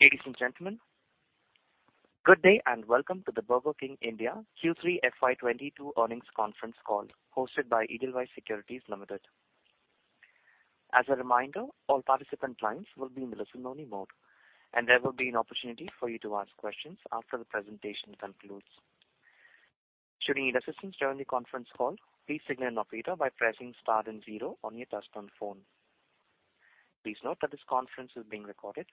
Ladies and gentlemen, good day, and welcome to the Burger King India Q3 FY 2022 earnings conference call hosted by Edelweiss Financial Services. As a reminder, all participant lines will be in listen only mode, and there will be an opportunity for you to ask questions after the presentation concludes. Should you need assistance during the conference call, please signal an operator by pressing star then zero on your touchtone phone. Please note that this conference is being recorded.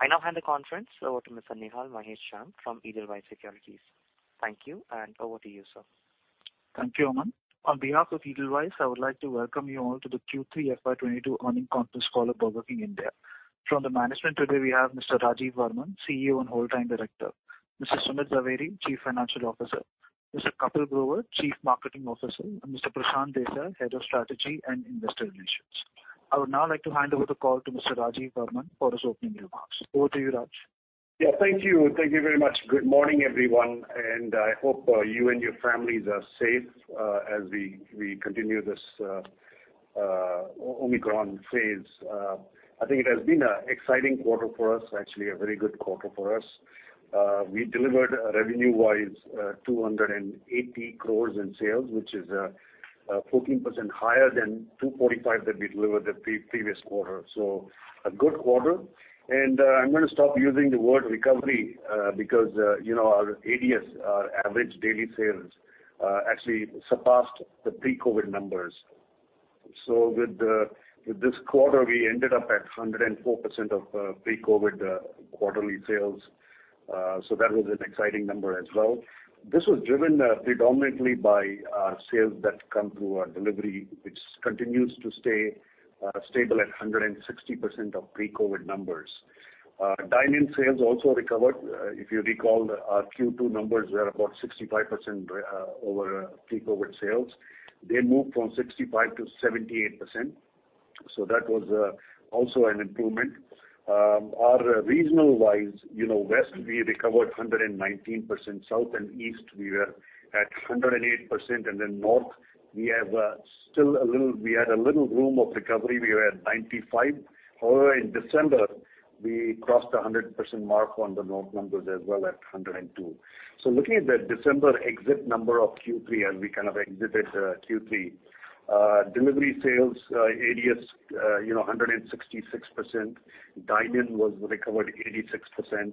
I now hand the conference over to Mr. Nihal Mahesh Jham from Edelweiss Financial Services. Thank you and over to you, sir. Thank you, Aman. On behalf of Edelweiss, I would like to welcome you all to the Q3 FY 2022 earnings conference call of Burger King India. From the management today we have Mr. Rajeev Varman, CEO and Whole Time Director, Mr. Sumit Zaveri, Chief Financial Officer, Mr. Kapil Grover, Chief Marketing Officer, and Mr. Prashant Desai, Head of Strategy and Investor Relations. I would now like to hand over the call to Mr. Rajeev Varman for his opening remarks. Over to you, Raj. Thank you. Thank you very much. Good morning, everyone, and I hope you and your families are safe as we continue this Omicron phase. I think it has been an exciting quarter for us, actually a very good quarter for us. We delivered revenue-wise 280 crores in sales, which is 14% higher than 245 crores that we delivered the previous quarter. A good quarter. I'm gonna stop using the word recovery because you know, our ADS, our Average Daily Sales, actually surpassed the pre-COVID numbers. With this quarter, we ended up at 104% of pre-COVID quarterly sales. That was an exciting number as well. This was driven predominantly by sales that come through our delivery which continues to stay stable at 160% of pre-COVID numbers. Dine-in sales also recovered. If you recall, our Q2 numbers were about 65% over pre-COVID sales. They moved from 65% to 78%, so that was also an improvement. Our region-wise, you know, west we recovered 119%. South and east we were at 108%. Then north, we had a little room for recovery, we were at 95%. However, in December we crossed a 100% mark on the north numbers as well at 102%. Looking at the December exit number of Q3 as we kind of exited Q3, delivery sales ADS you know 166%. Dine-in was recovered 86%.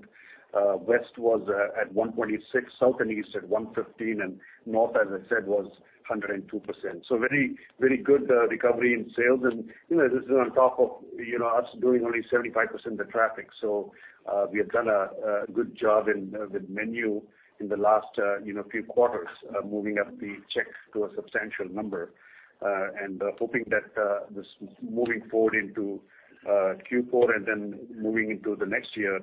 West was at 146%, South and East at 115%, and North, as I said, was 102%. Very, very good recovery in sales. You know, this is on top of you know us doing only 75% of the traffic. We have done a good job in with menu in the last you know few quarters moving up the checks to a substantial number. Hoping that this moving forward into Q4 and then moving into the next year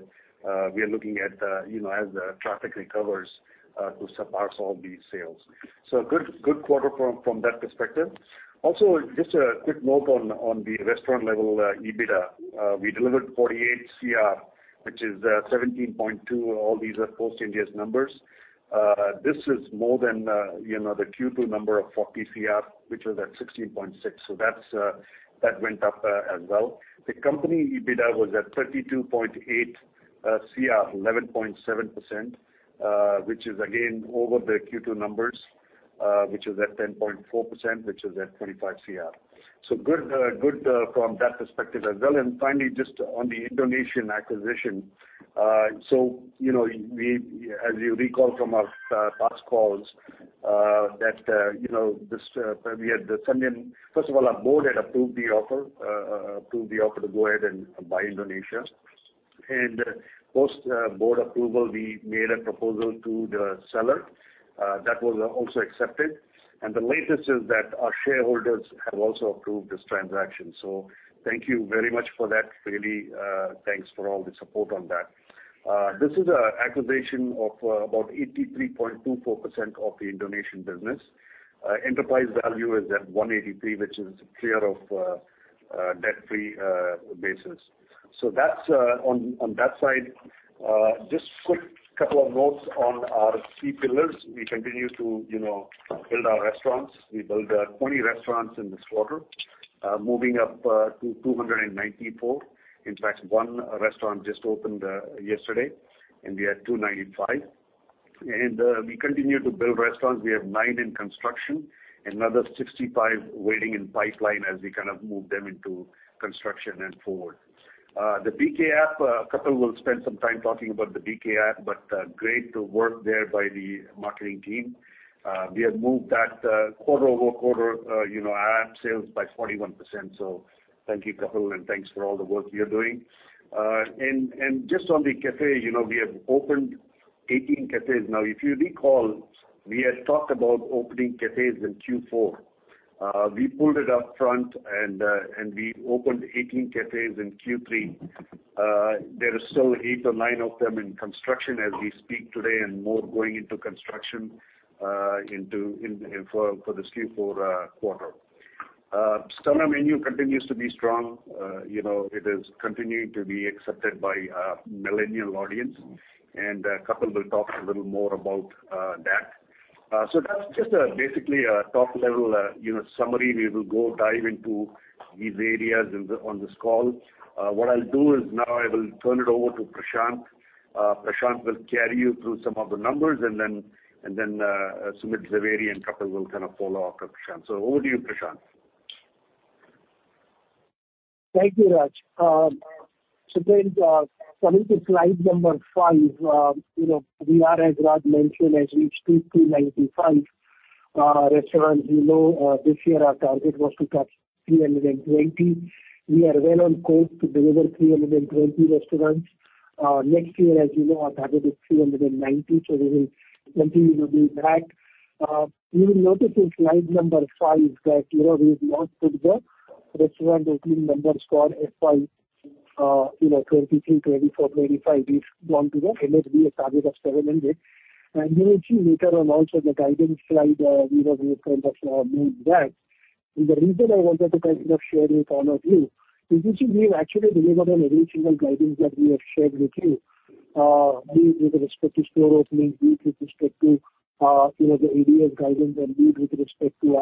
we are looking at you know as the traffic recovers to surpass all these sales. Good quarter from that perspective. Also, just a quick note on the restaurant level EBITDA. We delivered 48 crore, which is 17.2%. All these are post-ADS numbers. This is more than you know the Q2 number of 40 crore, which was at 16.6%. That went up as well. The company EBITDA was at 32.8 crore, 11.7%, which is again over the Q2 numbers, which is at 10.4%, which is at 25 crore. Good from that perspective as well. Finally, just on the Indonesian acquisition. You know, as you recall from our past calls, that you know, this we had the—First of all, our board had approved the offer to go ahead and buy Indonesia. Post board approval, we made a proposal to the seller that was also accepted. The latest is that our shareholders have also approved this transaction. Thank you very much for that. Really, thanks for all the support on that. This is an acquisition of about 83.24% of the Indonesian business. Enterprise value is at $183 million, which is on a cash-free, debt-free basis. That's on that side. Just quick couple of notes on our key pillars. We continue to you know, build our restaurants. We built 20 restaurants in this quarter, moving up to 294. In fact, one restaurant just opened yesterday, and we are at 295. We continue to build restaurants. We have nine in construction, another 65 waiting in pipeline as we kind of move them into construction and forward. The BK app, Kapil will spend some time talking about the BK app, but great work there by the marketing team. We have moved that quarter-over-quarter, you know, our app sales by 41%. Thank you, Kapil, and thanks for all the work you're doing. Just on the café, you know, we have opened 18 cafés. Now if you recall, we had talked about opening cafés in Q4. We pulled it up front and we opened 18 cafés in Q3. There are still eight or nine of them in construction as we speak today, and more going into construction for this Q4 quarter. Stunner Menu continues to be strong. You know, it is continuing to be accepted by millennial audience, and Kapil will talk a little more about that. That's just basically a top level, you know, summary. We will go dive into these areas on this call. What I'll do is now I will turn it over to Prashant. Prashant will carry you through some of the numbers and then Sumit Zaveri and Kapil will kind of follow after Prashant. Over to you, Prashant. Thank you, Raj. Coming to slide number five, you know, we are, as Raj mentioned, has reached 295 restaurants. You know, this year our target was to touch 320 restaurants. We are well on course to deliver 320 restaurants. Next year, as you know, our target is 390, so we will continue to do that. You will notice in slide number five that, you know, we've now put the restaurant opening numbers for FY 2023, 2024, 2025. We've gone to the NRV target of 700. You will see later on also the guidance slide, we will kind of build that. The reason I wanted to kind of share with all of you is that we've actually delivered on every single guidance that we have shared with you, be it with respect to store openings, be it with respect to the ADS guidance and be it with respect to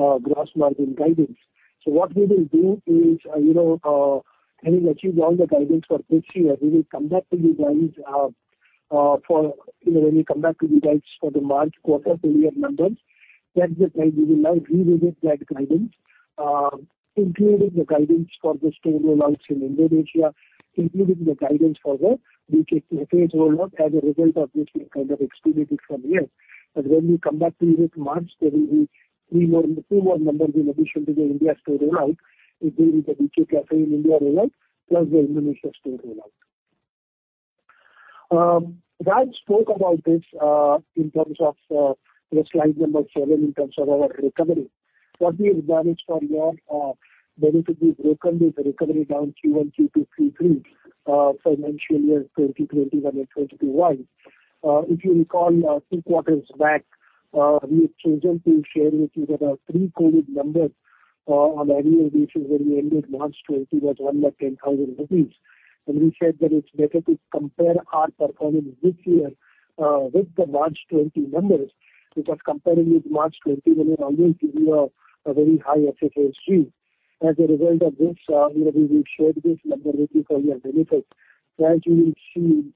our gross margin guidance. What we will do is, having achieved all the guidance for this year, we will come back to you guys, for when we come back to you guys for the March quarter full year numbers. At that time we will now revisit that guidance, including the guidance for the store rollouts in Indonesia, including the guidance for the BK Café rollout as a result of this being kind of expedited from here. When we come back to you with March, there will be two more numbers in addition to the India store rollout. It will be the BK Café in India rollout, plus the Indonesia store rollout. Raj spoke about this in terms of the slide number seven, in terms of our recovery. What we have managed for your benefit, we've broken the recovery down Q1, Q2, Q3 for financial year 2020 versus 2021. If you recall, two quarters back, we had chosen to share with you that our pre-COVID numbers on annual basis when we ended March 2020 was 1.1 lakh. We said that it's better to compare our performance this year with the March 2020 numbers because comparing with March 2020 will always give you a very high FY stream. As a result of this, we will share this number with you for your benefit. As you will see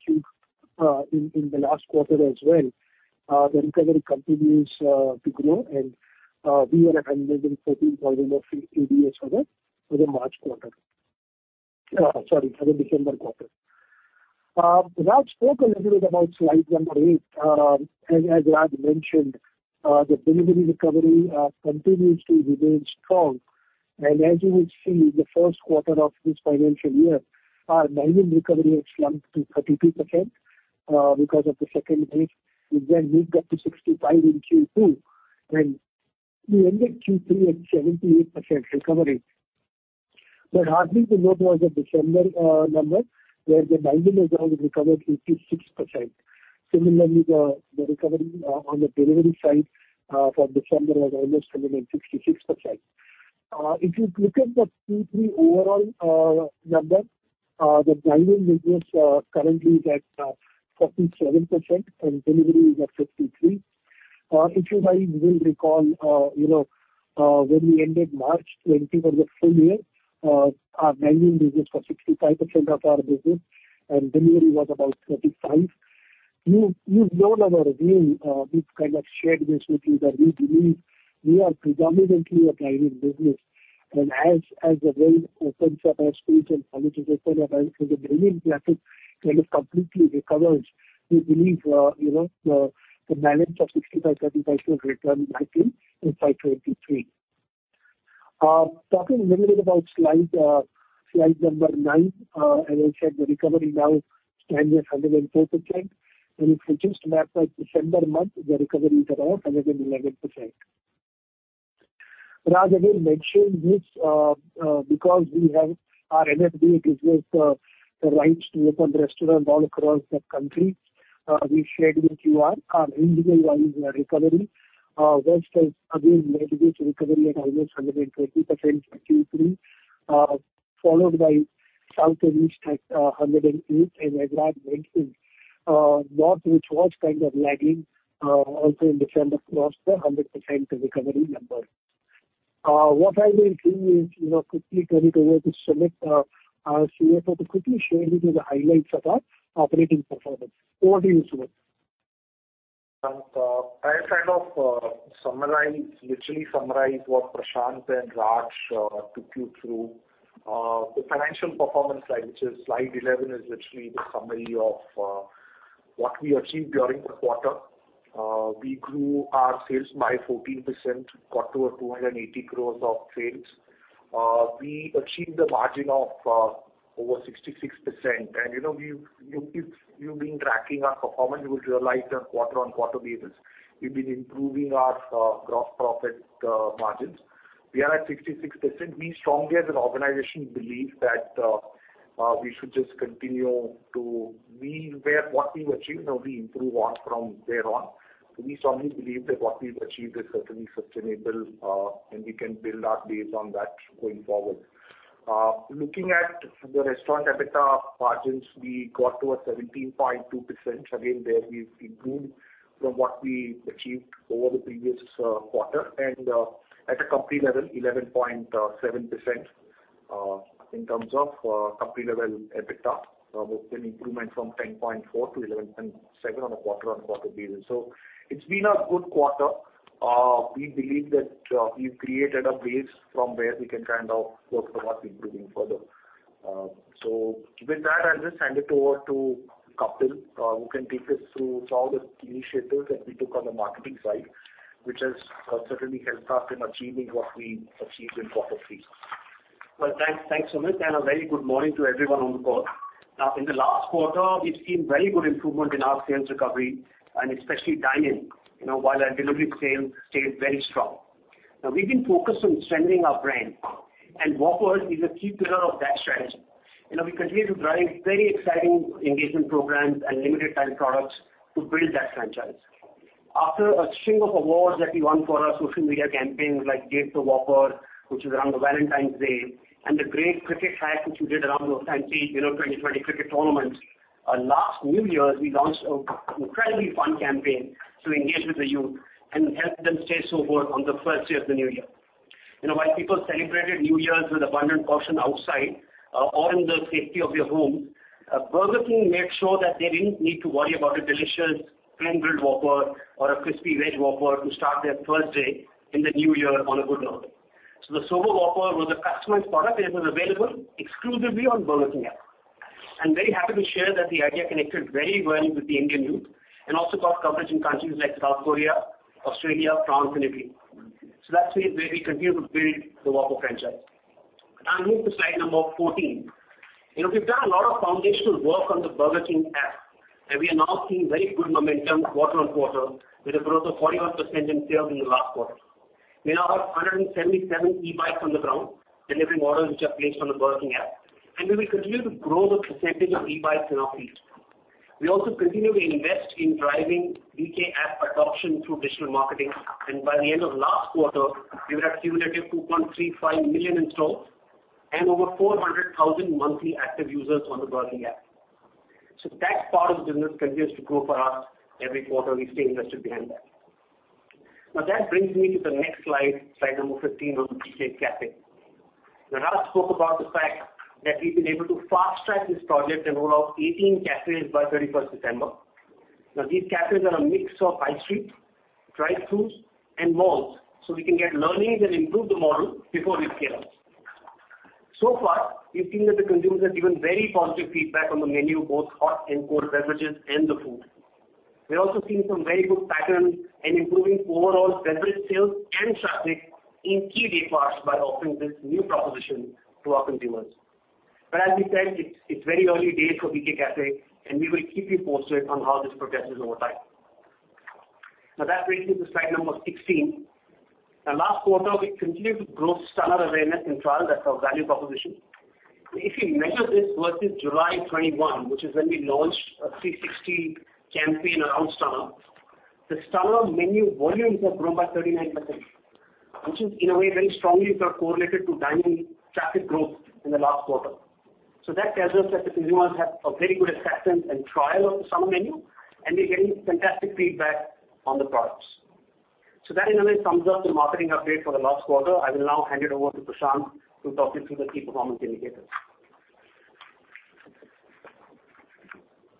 in the last quarter as well, the recovery continues to grow and we are at 114,000 of ADS for the March quarter. Sorry, for the December quarter. Raj spoke a little bit about slide eight. As Raj mentioned, the delivery recovery continues to remain strong. As you will see in the first quarter of this financial year, our dine-in recovery had slumped to 32% because of the second wave. It then moved up to 65% in Q2, and we ended Q3 at 78% recovery. Note the December number, where the dine-in was only recovered 86%. Similarly, the recovery on the delivery side for December was almost 76%. If you look at the Q3 overall number, the dine-in business currently is at 47% and delivery is at 53%. If you guys will recall, you know, when we ended March 2020 for the full year, our dine-in business was 65% of our business and delivery was about 35%. You know our view. We've kind of shared this with you that we believe we are predominantly a dine-in business. As the world opens up, as schools and colleges open up and as the dining traffic kind of completely recovers, we believe you know the balance of 60/35 should return back in FY 2023. Talking a little bit about slide nine. As I said, the recovery now stands at 104%. If you just map out December month, the recovery is around 111%. Raj again mentioned this, because we have our NRV business, the rights to open restaurant all across the country. We shared with you our regional wise recovery. West has again maintained recovery at almost 120% for Q3, followed by South and East at 108%, and as Raj mentioned, North, which was kind of lagging, also in December crossed 100% recovery number. What I will do is, you know, quickly turn it over to Sumit, our CFO, to quickly share with you the highlights of our operating performance. Over to you, Sumit. I kind of literally summarize what Prashant and Raj took you through. The financial performance slide, which is slide 11, is literally the summary of what we achieved during the quarter. We grew our sales by 14%, got to 280 crores of sales. We achieved a margin of over 66%. You know, if you've been tracking our performance, you will realize on quarter-on-quarter basis we've been improving our gross profit margins. We are at 66%. We strongly as an organization believe that we should just continue to be where what we've achieved and only improve on from there on. We strongly believe that what we've achieved is certainly sustainable, and we can build our base on that going forward. Looking at the restaurant EBITDA margins, we got to 17.2%. Again, there we've improved from what we achieved over the previous quarter. At a company level, 11.7% in terms of company level EBITDA, with an improvement from 10.4% to 11.7% on a quarter-on-quarter basis. It's been a good quarter. We believe that we've created a base from where we can kind of work towards improving further. With that, I'll just hand it over to Kapil, who can take us through some of the initiatives that we took on the marketing side, which has certainly helped us in achieving what we achieved in quarter three. Well, thanks. Thanks, Sumit, and a very good morning to everyone on the call. In the last quarter, we've seen very good improvement in our sales recovery and especially dine-in, you know, while our delivery sales stayed very strong. Now, we've been focused on strengthening our brand, and Whopper is a key pillar of that strategy. You know, we continue to drive very exciting engagement programs and limited-time products to build that franchise. After a string of awards that we won for our social media campaigns, like Gift of Whopper, which is around Valentine's Day, and The Great Cricket Hack, which we did around the 2020 cricket tournament, last New Year's, we launched an incredibly fun campaign to engage with the youth and help them stay sober on the first day of the New Year. You know, while people celebrated New Year's with abundant caution outside, or in the safety of their homes, Burger King made sure that they didn't need to worry about a delicious Flame-Grilled Whopper or a Crispy Veg Whopper to start their first day in the new year on a good note. The Sober Whopper was a customized product, and it was available exclusively on Burger King app. I'm very happy to share that the idea connected very well with the Indian youth and also got coverage in countries like South Korea, Australia, France, and Italy. That's where we continue to build the Whopper franchise. Move to slide number 14. You know, we've done a lot of foundational work on the Burger King app, and we are now seeing very good momentum quarter-on-quarter, with a growth of 41% in sales in the last quarter. We now have 177 e-bikes on the ground, delivery models which are placed on the Burger King app, and we will continue to grow the percentage of e-bikes in our fleet. We also continue to invest in driving BK app adoption through digital marketing, and by the end of last quarter, we were at cumulative 2.35 million installs and over 400,000 monthly active users on the BK app. That part of the business continues to grow for us every quarter. We stay invested behind that. Now, that brings me to the next slide number 15, on BK Café. Raj spoke about the fact that we've been able to fast-track this project and roll out 18 cafés by 31st December. These cafés are a mix of high street, drive-throughs, and malls, so we can get learnings and improve the model before we scale up. So far, we've seen that the consumers have given very positive feedback on the menu, both hot and cold beverages and the food. We're also seeing some very good patterns and improving overall beverage sales and traffic in key day parts by offering this new proposition to our consumers. As we said, it's very early days for BK Café, and we will keep you posted on how this progresses over time. That brings me to slide number 16. Last quarter, we continued to grow Stunner awareness and trial. That's our value proposition. If you measure this versus July 2021, which is when we launched a 360 campaign around Stunner, the Stunner menu volumes have grown by 39%, which is, in a way, very strongly sort of correlated to dine-in traffic growth in the last quarter. That tells us that the consumers have a very good acceptance and trial of the Stunner menu, and we're getting fantastic feedback on the products. That, in a way, sums up the marketing update for the last quarter. I will now hand it over to Prashant to talk you through the key performance indicators.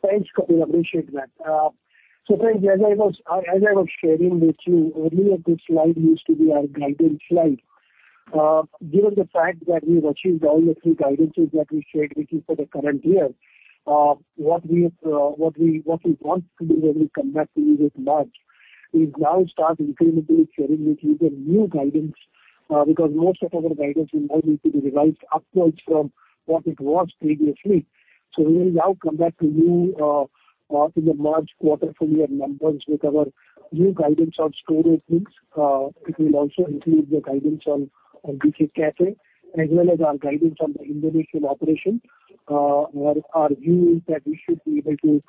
Thanks, Kapil. Appreciate that. Friends, as I was sharing with you earlier, this slide used to be our guidance slide. Given the fact that we've achieved all the three guidances that we shared with you for the current year, what we want to do when we come back to you this March, we'll now start incrementally sharing with you the new guidance, because most of our guidance will now need to be revised upwards from what it was previously. We will now come back to you in the March quarter for your numbers with our new guidance on store openings. It will also include the guidance on BK Café as well as our guidance on the Indonesian operation. Our view is that we should be able to,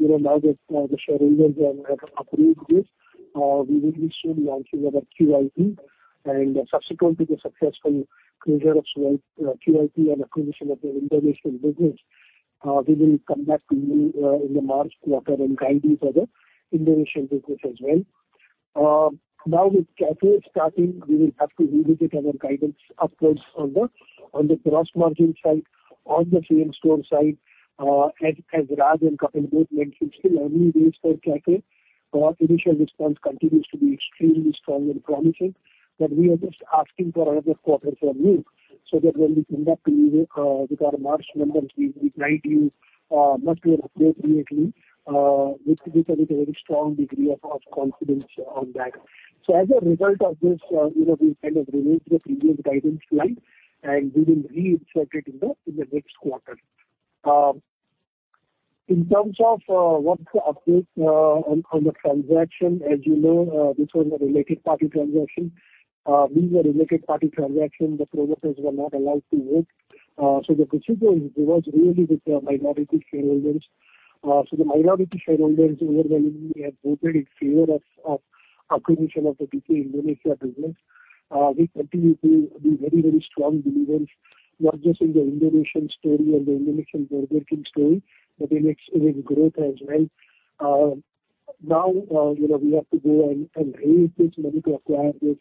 you know, now that the shareholders have approved this, we will be soon launching our QIP. Subsequent to the successful closure of QIP and acquisition of the Indonesian business, we will come back to you in the March quarter and guide you for the Indonesian business as well. Now with cafe starting, we will have to revisit our guidance upwards on the gross margin side, on the same-store side. As Raj and Kapil both mentioned, it's still early days for cafe. Our initial response continues to be extremely strong and promising, but we are just asking for another quarter from you so that when we come back to you with our March numbers, we guide you much more appropriately with a very strong degree of confidence on that. As a result of this, you know, we kind of removed the previous guidance slide, and we will reinsert it in the next quarter. In terms of what's the update on the transaction, as you know, this was a related party transaction. Being a related party transaction, the promoters were not allowed to vote. The procedure was really with the minority shareholders. The minority shareholders overwhelmingly have voted in favor of acquisition of the PT Sari Burger Indonesia business. We continue to be very, very strong believers, not just in the Indonesian story and the Indonesian Burger King story, but in ex-India growth as well. Now, you know, we have to go and raise this money to acquire this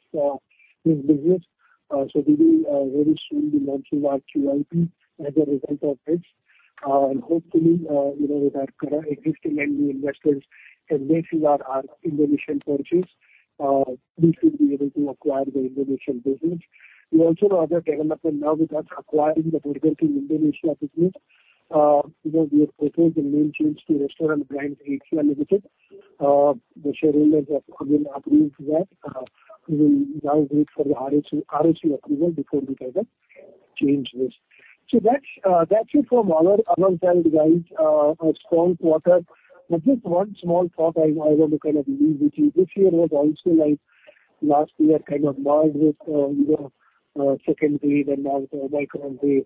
business. We will very soon be launching our QIP as a result of this. Hopefully, you know, with our current existing and new investors embracing our Indonesian purchase, we should be able to acquire the Indonesian business. We also have other developments now with us acquiring the Burger King Indonesia business. You know, we have proposed a name change to Restaurant Brands Asia Limited. The shareholders have approved that. We will now wait for the ROC approval before we can change this. That's it from our side, guys. A strong quarter. Just one small thought I want to kind of leave with you. This year was also like last year, kind of marred with, you know, second wave and now the Omicron wave.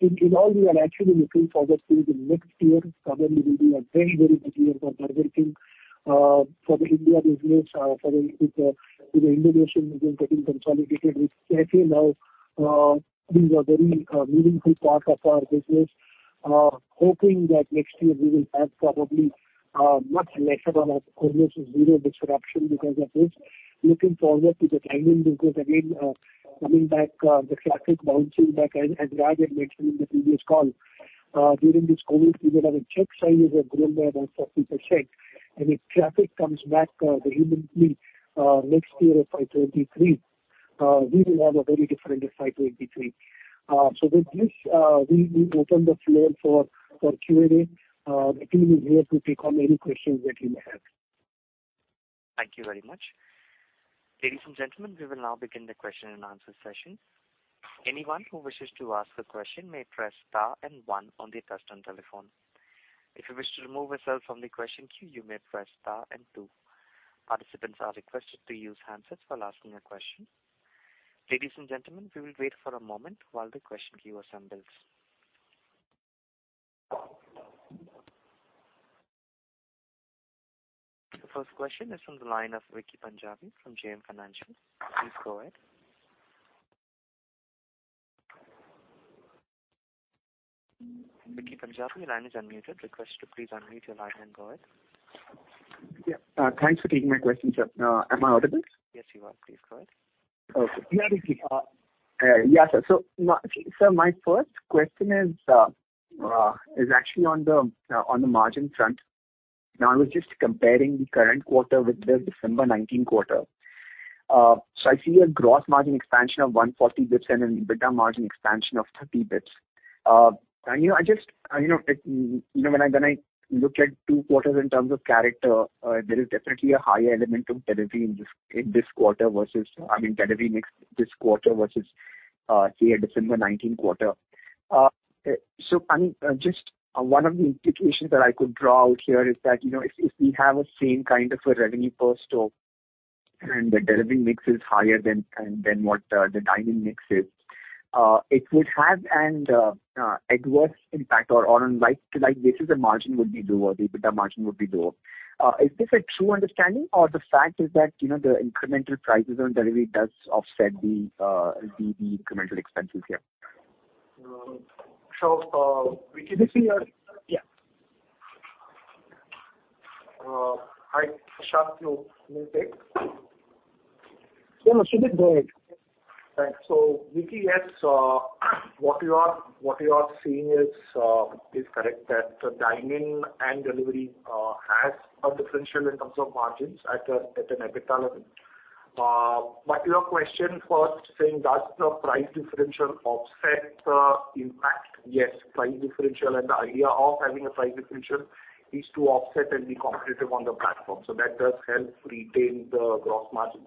In all, we are actually looking forward to the next year probably will be a very big year for Burger King. For the India business, with the Indonesian business getting consolidated, we safely now these are very meaningful part of our business. Hoping that next year we will have probably much lesser or almost zero disruption because of this. Looking forward to the dine-in business again coming back, the traffic bouncing back. Raj had mentioned in the previous call, during this COVID, even our check sizes have grown by about 40%. If traffic comes back vehemently next year at FY 2023, we will have a very different FY 2023. With this, we open the floor for Q&A. The team is here to take on any questions that you may have. Thank you very much. Ladies and gentlemen, we will now begin the question and answer session. Anyone who wishes to ask a question may press star and one on their touch-tone telephone. If you wish to remove yourself from the question queue, you may press star and two. Participants are requested to use handsets while asking a question. Ladies and gentlemen, we will wait for a moment while the question queue assembles. The first question is from the line of Vicky Punjabi from JM Financial. Please go ahead. Vicky Punjabi, your line is unmuted. Request to please unmute your line and go ahead. Yeah. Thanks for taking my question, sir. Am I audible? Yes, you are. Please go ahead. Yeah, Vicky. Yeah, sir. Sir, my first question is actually on the margin front. Now, I was just comparing the current quarter with the December 2019 quarter. I see a gross margin expansion of 140 basis points and an EBITDA margin expansion of 30 basis points. You know, I just, you know, when I look at two quarters in terms of character, there is definitely a higher element of delivery in this quarter versus, I mean, delivery mix this quarter versus, say a December 2019 quarter. I'm just one of the implications that I could draw out here is that, you know, if we have the same kind of a revenue per store and the delivery mix is higher than what the dine-in mix is, it would have an adverse impact or on like-for-like basis, the margin would be lower, the EBITDA margin would be lower. Is this a true understanding or the fact is that, you know, the incremental prices on delivery does offset the the incremental expenses here? Vicky, this is Yeah. Hi, Prashant here. You take. Yeah, no. Sumit, go ahead. Thanks. Vicky, yes, what you are seeing is correct, that the dine-in and delivery has a differential in terms of margins at an EBITDA level. Your question first saying does the price differential offset the impact? Yes. Price differential and the idea of having a price differential is to offset and be competitive on the platform. That does help retain the gross margins.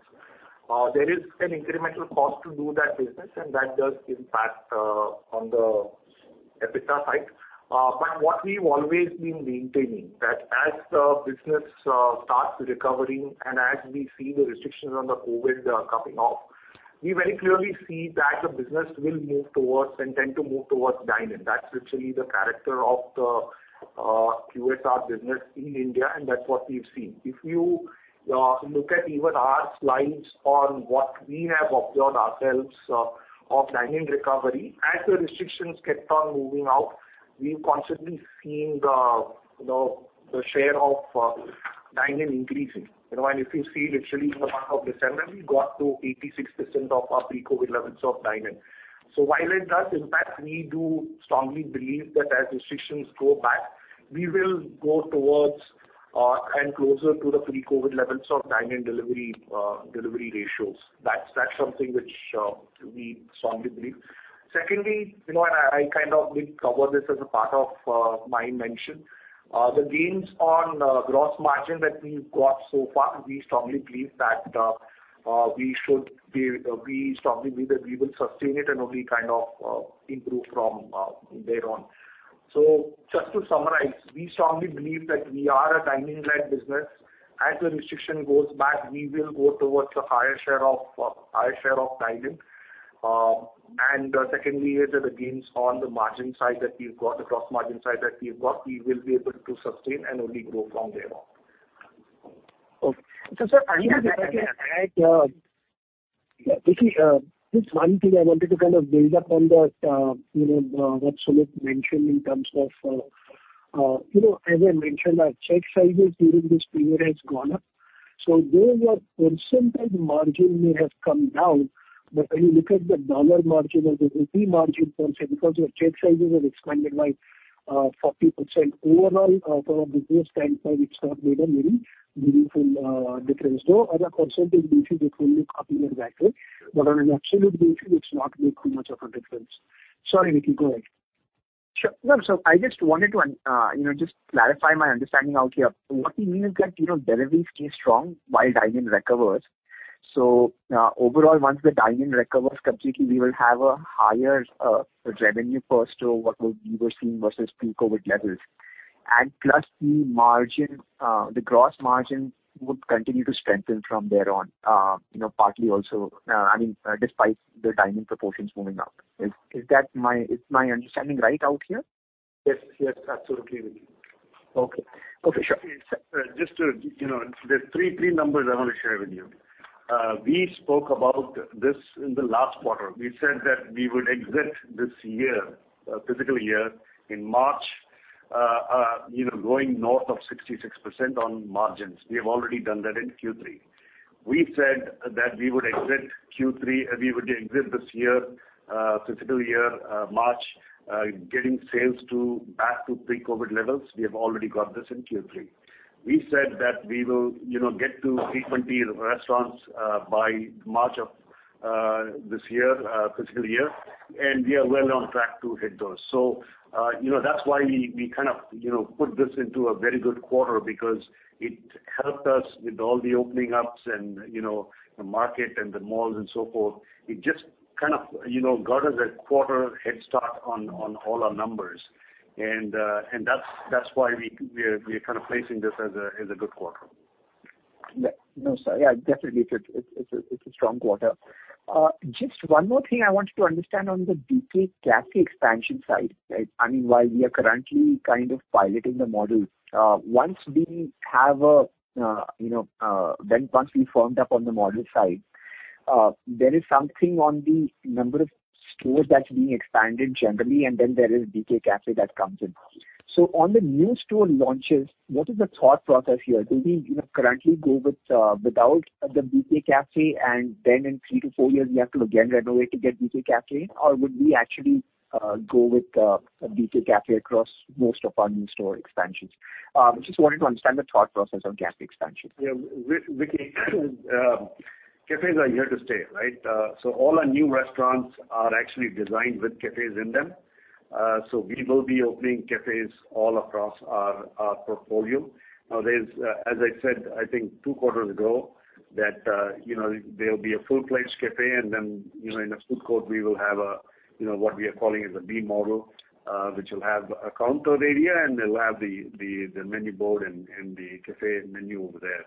There is an incremental cost to do that business, and that does impact on the EBITDA side. What we've always been maintaining, that as the business starts recovering and as we see the restrictions on the COVID coming off, we very clearly see that the business will move towards and tend to move towards dine-in. That's literally the character of the QSR business in India, and that's what we've seen. If you look at even our slides on what we have observed ourselves of dine-in recovery, as the restrictions kept on moving out, we've constantly seen the, you know, the share of dine-in increasing. You know, and if you see literally in the month of December, we got to 86% of our pre-COVID levels of dine-in. While it does impact, we do strongly believe that as restrictions go back, we will go towards and closer to the pre-COVID levels of dine-in delivery ratios. That's something which we strongly believe. Secondly, you know, and I kind of did cover this as a part of my mention. The gains on gross margin that we've got so far, we strongly believe that we will sustain it and only kind of improve from there on. Just to summarize, we strongly believe that we are a dine-in led business. As the restriction goes back, we will go towards the higher share of dine-in. Secondly, the gains on the gross margin side that we've got, we will be able to sustain and only grow from there on. Okay, sir. Yeah. Vicky, just one thing I wanted to kind of build up on that, you know, what Sumit mentioned in terms of, you know, as I mentioned, our check sizes during this period has gone up. Though our percentage margin may have come down, but when you look at the dollar margin or the rupee margin percent, because your check sizes have expanded by 40%. Overall, from a business standpoint, it's not made a very meaningful difference. Though on a percentage basis, it will look up and back, but on an absolute basis, it's not made too much of a difference. Sorry, Vicky, go ahead. Sure. No, I just wanted to, you know, just clarify my understanding out here. What you mean is that, you know, deliveries stay strong while dine-in recovers. Overall, once the dine-in recovers completely, we will have a higher revenue than what we were seeing versus pre-COVID levels. Plus the margin, the gross margin would continue to strengthen from there on. You know, partly also, I mean, despite the dine-in proportions moving up. Is my understanding right out here? Yes. Yes, absolutely, Vicky. Okay, sure. Just to, there are three numbers I wanna share with you. We spoke about this in the last quarter. We said that we would exit this year, fiscal year in March, going north of 66% on margins. We have already done that in Q3. We said that we would exit this year, fiscal year, March, getting sales back to pre-COVID levels. We have already got this in Q3. We said that we will get to 320 restaurants by March of this year, fiscal year, and we are well on track to hit those. You know, that's why we kind of, you know, put this into a very good quarter because it helped us with all the opening up and, you know, the market and the malls and so forth. It just kind of, you know, got us a quarter head start on all our numbers. That's why we're kind of placing this as a good quarter. Yeah. No, sir. Yeah, definitely. It's a strong quarter. Just one more thing I want you to understand on the BK Café expansion side. I mean, while we are currently kind of piloting the model, once we firmed up on the model side, there is something on the number of stores that's being expanded generally, and then there is BK Café that comes in. So on the new store launches, what is the thought process here? Do we, you know, currently go with without the BK Café and then in three to four years we have to again renovate to get BK Café? Or would we actually go with a BK Café across most of our new store expansions? Just wanted to understand the thought process of BK Café expansion. Vicky, cafes are here to stay, right? All our new restaurants are actually designed with cafes in them. We will be opening cafes all across our portfolio. Now, there's, as I said, I think two quarters ago that, you know, there'll be a full-fledged cafe and then, you know, in a food court we will have a, you know, what we are calling as a B model, which will have a counter area, and they'll have the menu board and the cafe menu over there.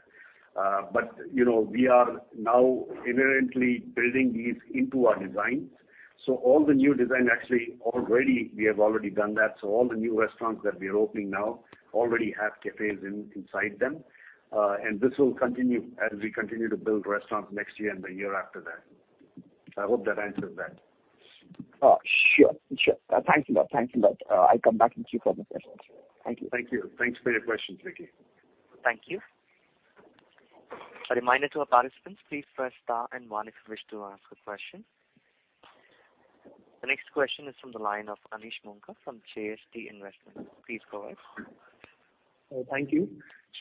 You know, we are now inherently building these into our designs. All the new design actually already, we have already done that. All the new restaurants that we are opening now already have cafes inside them. This will continue as we continue to build restaurants next year and the year after that. I hope that answers that. Oh, sure. Thank you, though. I come back to you for more questions. Thank you. Thank you. Thanks for your question, Vicky. Thank you. A reminder to our participants, please press star and one if you wish to ask a question. The next question is from the line of Anish Moonka from JST Investments. Please go ahead. Thank you.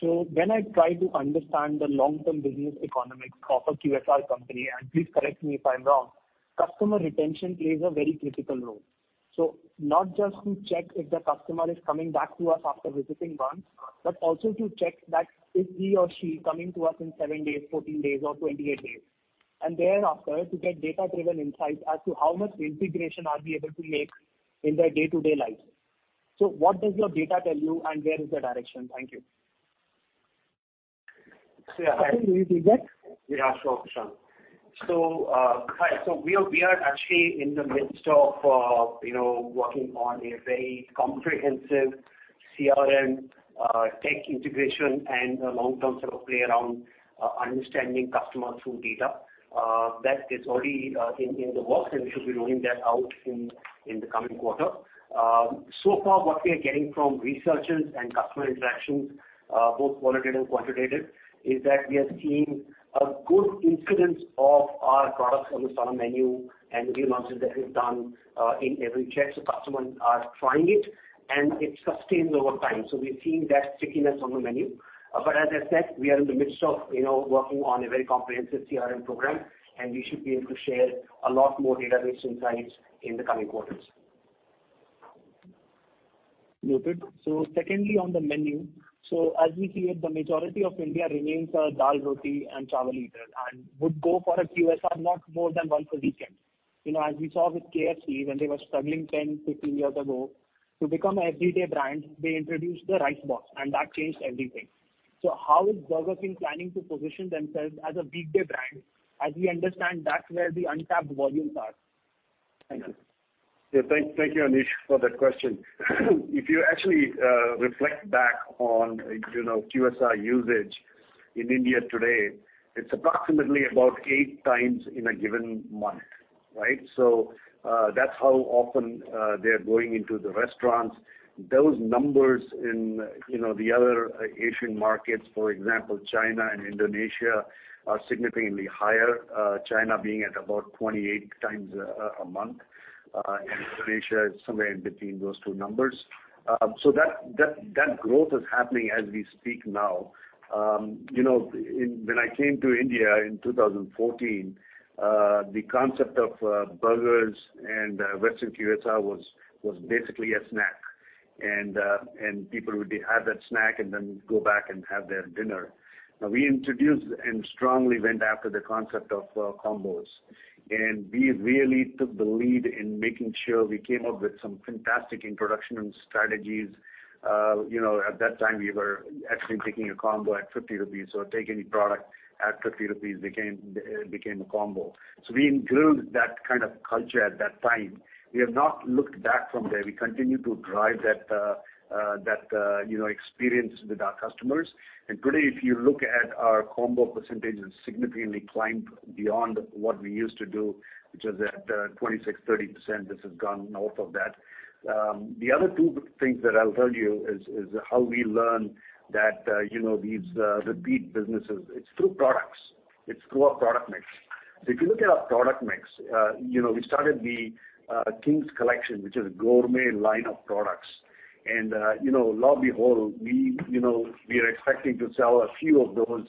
When I try to understand the long-term business economics of a QSR company, and please correct me if I'm wrong, customer retention plays a very critical role. Not just to check if the customer is coming back to us after visiting once, but also to check that is he or she coming to us in seven days, 14 days or 28 days. Thereafter, to get data-driven insights as to how much integration are we able to make in their day-to-day life. What does your data tell you and where is the direction? Thank you. Yeah.Yeah, sure, Hi. We are actually in the midst of, you know, working on a very comprehensive CRM tech integration and a long-term sort of play around understanding customers through data. That is already in the works, and we should be rolling that out in the coming quarter. So far what we are getting from research and customer interactions, both qualitative and quantitative, is that we are seeing a good incidence of our products on the Stunner Menu and new launches that is done in every check. Customers are trying it and it sustains over time. We're seeing that stickiness on the menu. As I said, we are in the midst of, you know, working on a very comprehensive CRM program, and we should be able to share a lot more data-based insights in the coming quarters. Noted. Secondly, on the menu. As we see it, the majority of India remains a dal roti and chawal eaters and would go for a QSR not more than once a weekend. You know, as we saw with KFC when they were struggling 10, 15 years ago, to become an everyday brand, they introduced the Rice Box and that changed everything. How is Burger King planning to position themselves as a weekday brand? As we understand, that's where the untapped volumes are. Thank you. Yeah. Thank you, Anish, for that question. If you actually reflect back on, you know, QSR usage in India today, it's approximately about eight times in a given month, right? So, that's how often they are going into the restaurants. Those numbers in, you know, the other Asian markets, for example, China and Indonesia, are significantly higher, China being at about 28 times a month. Indonesia is somewhere in between those two numbers. So that growth is happening as we speak now. You know, when I came to India in 2014, the concept of burgers and Western QSR was basically a snack. People would have that snack and then go back and have their dinner. Now, we introduced and strongly went after the concept of combos, and we really took the lead in making sure we came up with some fantastic introduction and strategies. You know, at that time, we were actually taking a combo at 50 rupees or take any product at 50 rupees became a combo. We included that kind of culture at that time. We have not looked back from there. We continue to drive that you know experience with our customers. Today, if you look at our combo percentage, it's significantly climbed beyond what we used to do, which was at 26%-30%. This has gone north of that. The other two things that I'll tell you is how we learn that you know these the repeat businesses, it's through products. It's through our product mix. If you look at our product mix, you know, we started the Kings Collection, which is a gourmet line of products. You know, lo and behold, we are expecting to sell a few of those,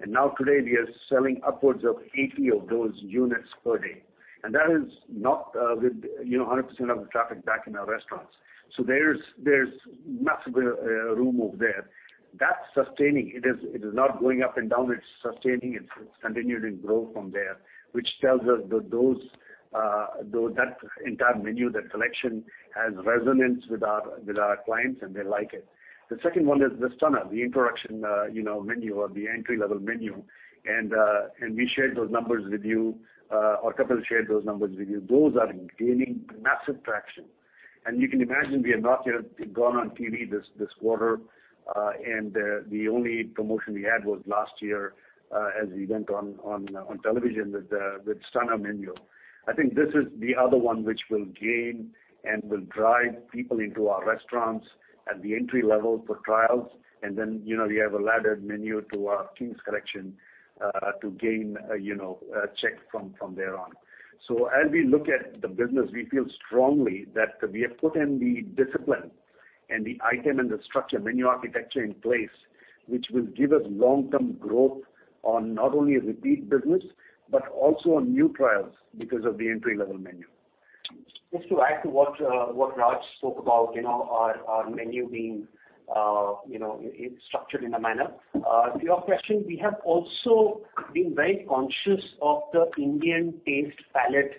and now today we are selling upwards of 80 of those units per day. That is not with 100% of the traffic back in our restaurants. There's massive room over there. That's sustaining. It is not going up and down. It's sustaining. It's continuing to grow from there, which tells us that that entire menu, that collection has resonance with our clients, and they like it. The second one is the Stunner, the introduction, you know, menu or the entry-level menu. We shared those numbers with you, or Kapil shared those numbers with you. Those are gaining massive traction. You can imagine we have not yet gone on TV this quarter. The only promotion we had was last year, as we went on television with Stunner Menu. I think this is the other one which will gain and will drive people into our restaurants at the entry level for trials. Then, you know, we have a laddered menu to our Kings Collection, to gain, you know, a check from there on. As we look at the business, we feel strongly that we have put in the discipline and the item and the structure menu architecture in place, which will give us long-term growth on not only a repeat business, but also on new trials because of the entry-level menu. Just to add to what Raj spoke about, you know, our menu being, you know, it's structured in a manner. To your question, we have also been very conscious of the Indian taste palate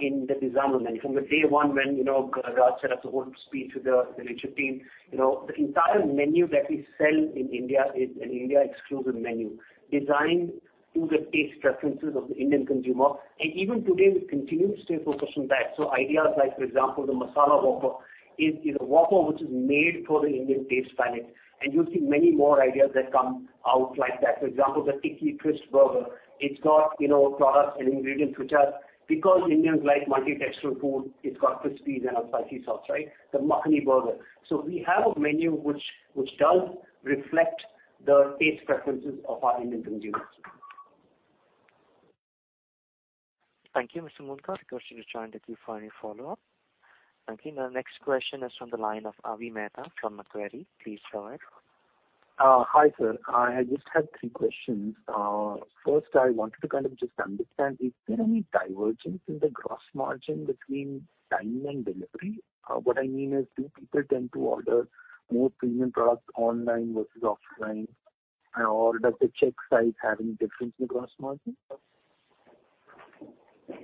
in the design of the menu. From day one, when, you know, Raj set up the whole speech with the leadership team, you know, the entire menu that we sell in India is an India exclusive menu designed to the taste preferences of the Indian consumer. Even today, we continue to stay focused on that. Ideas like, for example, the Masala Whopper is a Whopper which is made for the Indian taste palate, and you'll see many more ideas that come out like that. For example, the Crispy Chicken Burger. It's got, you know, products and ingredients which are... Because Indians like multi-texture food, it's got crispies and a spicy sauce, right? The Makhani Burger. We have a menu which does reflect the taste preferences of our Indian consumers. Thank you, Mr. Moonka. The line is open to you for any follow-up. Thank you. Now next question is from the line of Avi Mehta from Macquarie. Please go ahead. Hi, sir. I just had three questions. First, I wanted to kind of just understand, is there any divergence in the gross margin between dine-in and delivery? What I mean is, do people tend to order more premium products online versus offline? Or does the check size have any difference in the gross margin?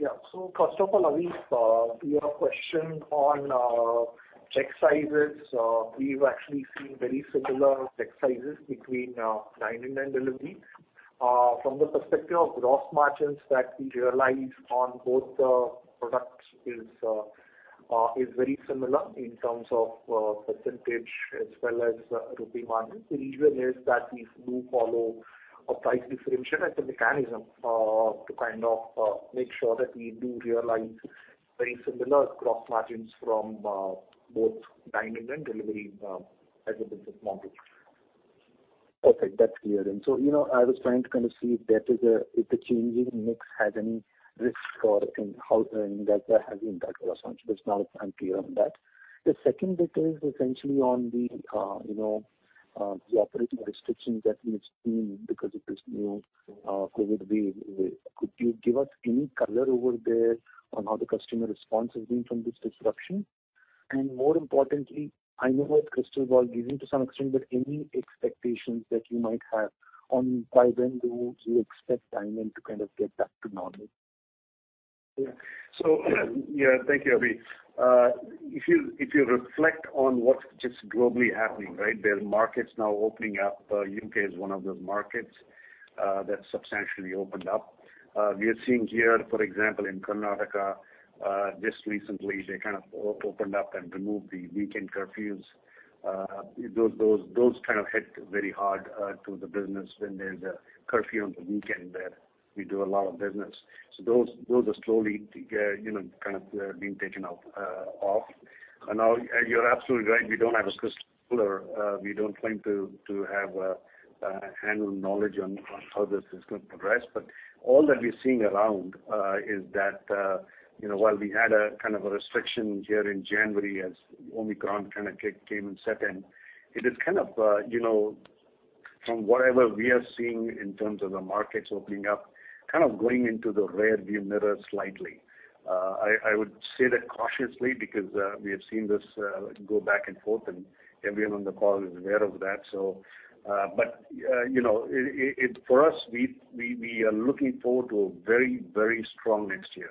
Yeah. First of all, Avi, to your question on check sizes, we've actually seen very similar check sizes between dine-in and delivery. From the perspective of gross margins that we realize on both the products is very similar in terms of percentage as well as rupee margin. The reason is that we do follow a price differentiation as a mechanism to kind of make sure that we do realize very similar gross margins from both dine-in and delivery as a business model. Perfect. That's clear. You know, I was trying to kind of see if the changing mix had any risk or on how that has impact gross margin. Now I'm clear on that. The second bit is essentially on the you know the operating restrictions that we've seen because of this new COVID wave. Could you give us any color over there on how the customer response has been from this disruption? More importantly, I know it's crystal ball gazing to some extent, but any expectations that you might have on by when do you expect dine-in to kind of get back to normal? Thank you, Avi. If you reflect on what's just globally happening, right? There are markets now opening up. U.K. is one of those markets that substantially opened up. We are seeing here, for example, in Karnataka, just recently, they kind of opened up and removed the weekend curfews. Those kind of hit very hard to the business when there's a curfew on the weekend there. We do a lot of business. Those are slowly, you know, kind of being taken off. Now, you're absolutely right, we don't have a crystal ball or we don't claim to have a handle on how this is gonna progress. All that we're seeing around is that, you know, while we had a kind of a restriction here in January as Omicron kind of came and set in, it is kind of, you know, from whatever we are seeing in terms of the markets opening up, kind of going into the rearview mirror slightly. I would say that cautiously because we have seen this go back and forth, and everyone on the call is aware of that. You know, for us, we are looking forward to a very, very strong next year,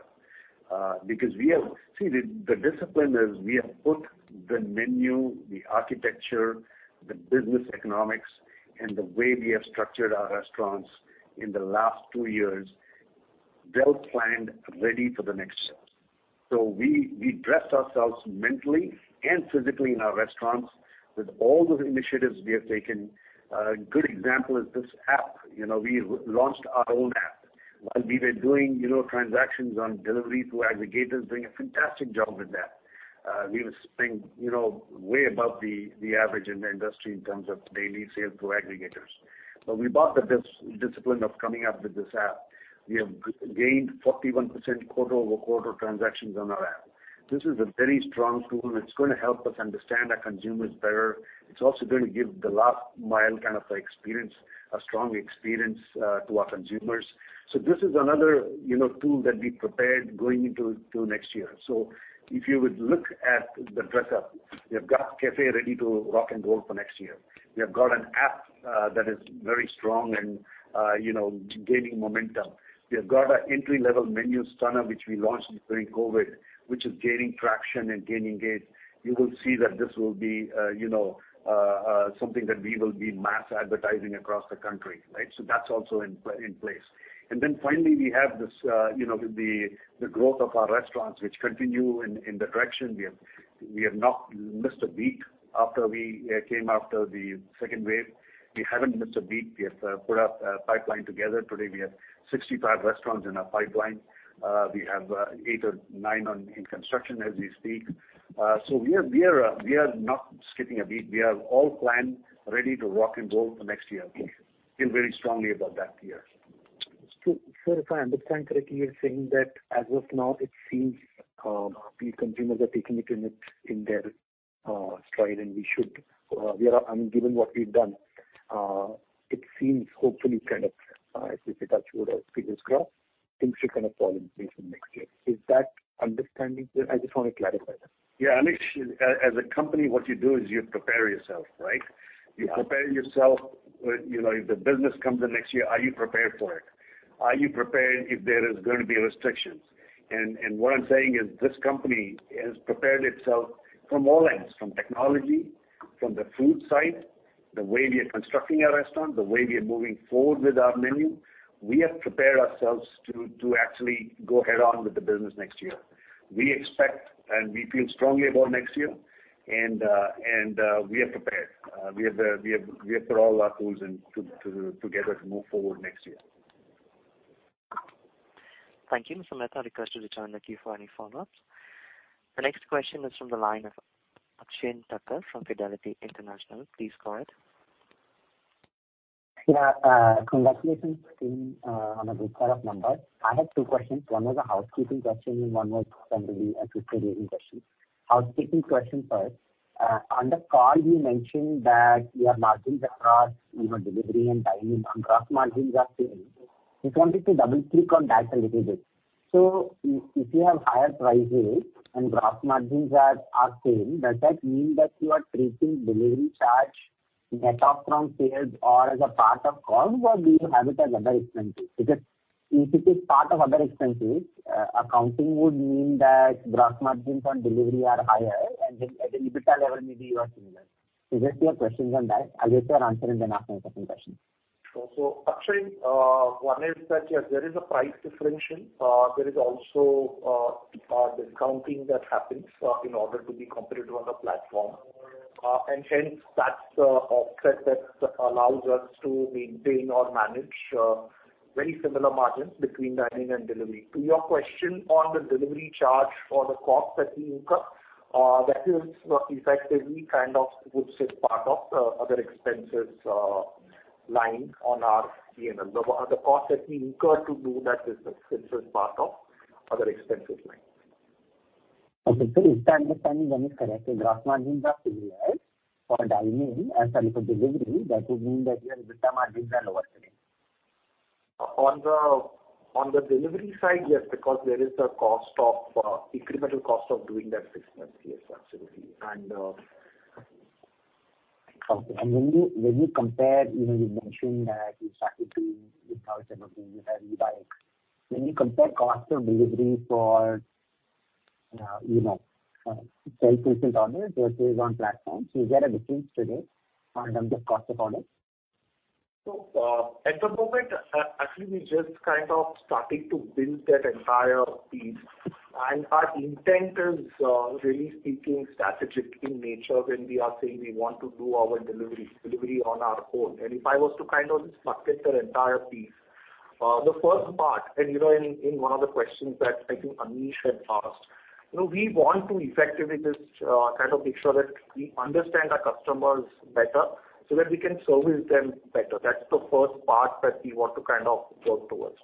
because see, the discipline is we have put the menu, the architecture, the business economics, and the way we have structured our restaurants in the last two years, well-planned, ready for the next year. We dressed ourselves mentally and physically in our restaurants with all those initiatives we have taken. A good example is this app. You know, we launched our own app while we were doing, you know, transactions on delivery through aggregators, doing a fantastic job with that. We were spending, you know, way above the average in the industry in terms of daily sales through aggregators. But we bought the discipline of coming up with this app. We have gained 41% quarter-over-quarter transactions on our app. This is a very strong tool, and it's gonna help us understand our consumers better. It's also gonna give the last mile kind of experience, a strong experience, to our consumers. This is another, you know, tool that we prepared going into next year. If you would look at the dress up, we have got Café ready to rock and roll for next year. We have got an app that is very strong and, you know, gaining momentum. We have got an entry-level menu Stunner, which we launched during COVID, which is gaining traction and gaining pace. You will see that this will be, you know, something that we will be mass advertising across the country, right? That's also in place. Finally, we have this, you know, the growth of our restaurants, which continue in the direction. We have not missed a beat after we came after the second wave. We haven't missed a beat. We have put our pipeline together. Today, we have 65 restaurants in our pipeline. We have eight or nine restaurants on in construction as we speak. We are not skipping a beat. We are all planned, ready to rock and roll for next year. We feel very strongly about that year. If I understand correctly, you're saying that as of now, it seems the consumers are taking it in their stride, and we should, I mean, given what we've done, it seems hopefully kind of if we could touch wood or fingers crossed, things should kind of fall in place in next year. Is that understanding? I just want to clarify that. Yeah, Avi, as a company, what you do is you prepare yourself, right? Yeah. You prepare yourself. You know, if the business comes in next year, are you prepared for it? Are you prepared if there is gonna be restrictions? What I'm saying is this company has prepared itself from all ends, from technology, from the food side, the way we are constructing our restaurant, the way we are moving forward with our menu. We have prepared ourselves to actually go head on with the business next year. We expect and we feel strongly about next year, and we are prepared. We have put all our tools together to move forward next year. Thank you, Mr. Mehta. I request you to join the queue for any follow-ups. The next question is from the line of Akshen Thakkar from Fidelity International. Please go ahead. Yeah. Congratulations team, on a good set of numbers. I have two questions. One was a housekeeping question, and one was generally a strategic question. Housekeeping question first. On the call, you mentioned that your margins across, you know, delivery and dine-in, gross margins are same. Just wanted to double click on that a little bit. If you have higher prices and gross margins are same, does that mean that you are treating delivery charge net of from sales or as a part of cost? Or do you have it as other expenses? Because if it is part of other expenses, accounting would mean that gross margins on delivery are higher and then at the EBITDA level maybe you are similar. Just two questions on that. I'll get your answer and then ask my second question. Sure. Akshen, one is that, yes, there is a price differential. There is also discounting that happens in order to be competitive on the platform. Hence, that's the offset that allows us to maintain or manage very similar margins between dine-in and delivery. To your question on the delivery charge or the cost that we incur, that is effectively kind of would sit as part of other expenses line on our P&L. The cost that we incur to do that business, this is part of other expenses line. Okay. Is my understanding then correct that gross margins are similar for dine-in and sorry for delivery, that would mean that your EBITDA margins are lower today? On the delivery side, yes, because there is a cost of incremental cost of doing that business. Yes, absolutely. Okay. When you compare cost of delivery for self-delivery orders versus on platform, you know, do you get a difference today in terms of cost of orders? At the moment, actually we just kind of starting to build that entire piece. Our intent is, really speaking strategic in nature when we are saying we want to do our delivery on our own. If I was to kind of just bucket that entire piece, the first part, you know, in one of the questions that I think Anish had asked. You know, we want to effectively just kind of make sure that we understand our customers better so that we can service them better. That's the first part that we want to kind of work towards.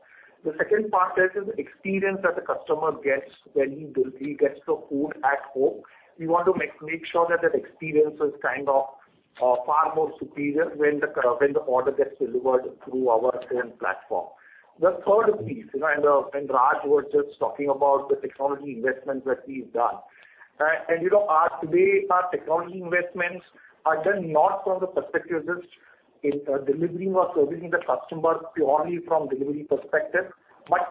The second part is experience that the customer gets when he gets the food at home. We want to make sure that experience is kind of far more superior when the order gets delivered through our current platform. The third piece, you know, Rajeev was just talking about the technology investments that we've done. You know, today our technology investments are done not from the perspective just in delivering or servicing the customer purely from delivery perspective.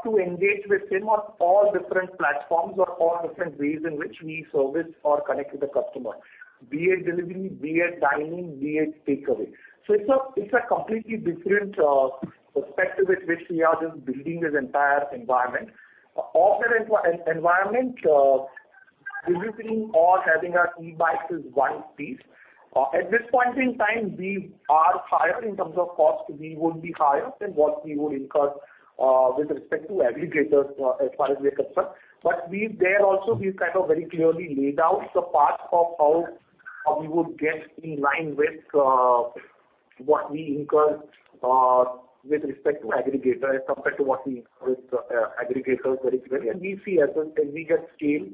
To engage with him on all different platforms or all different ways in which we service or connect with the customer. Be it delivery, be it dining, be it takeaway. It's a completely different perspective with which we are just building this entire environment. Of that environment, delivering or having our e-bikes is one piece. At this point in time, we are higher in terms of cost. We would be higher than what we would incur with respect to aggregators as far as we are concerned. There also we've kind of very clearly laid out the path of how we would get in line with what we incur with respect to aggregator as compared to what we incur with aggregators originally. We see as we get scale,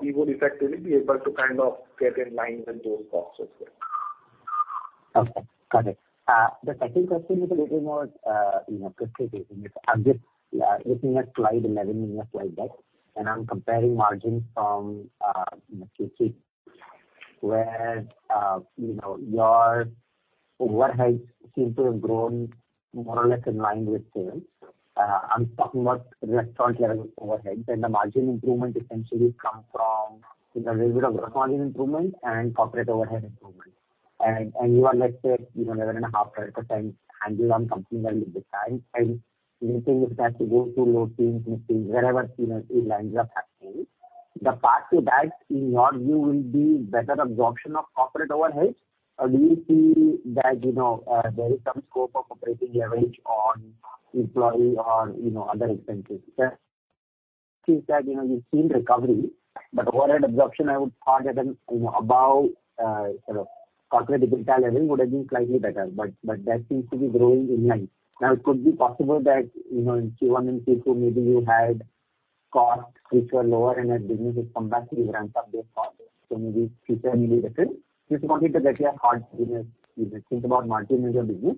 we would effectively be able to kind of get in line with those costs as well. Okay. Got it. The second question is a little more, you know, prescriptive in it. I'm just looking at slide 11 in your slide deck, and I'm comparing margins from Q3 where your overheads seem to have grown more or less in line with sales. I'm talking about restaurant level overhead, and the margin improvement essentially comes from a little bit of gross margin improvement and corporate overhead improvement. You are, let's say, you know, 11.5% handle on company level basis. Anything which has to go through your teams, wherever, you know, it lands up happening. The part of that in your view will be better absorption of corporate overhead. Do you see that, you know, there is some scope of operating leverage on employee or, you know, other expenses? Because it seems that, you know, we've seen recovery. But overhead absorption I would thought at an, you know, above, you know, corporate EBITDA level would have been slightly better, but that seems to be growing in line. Now, it could be possible that, you know, in Q1 and Q2 maybe you had costs which were lower and as business has come back to the ramp up their costs. Maybe future will be different. Just wanted to get your thoughts, you know. If you think about multi-million business,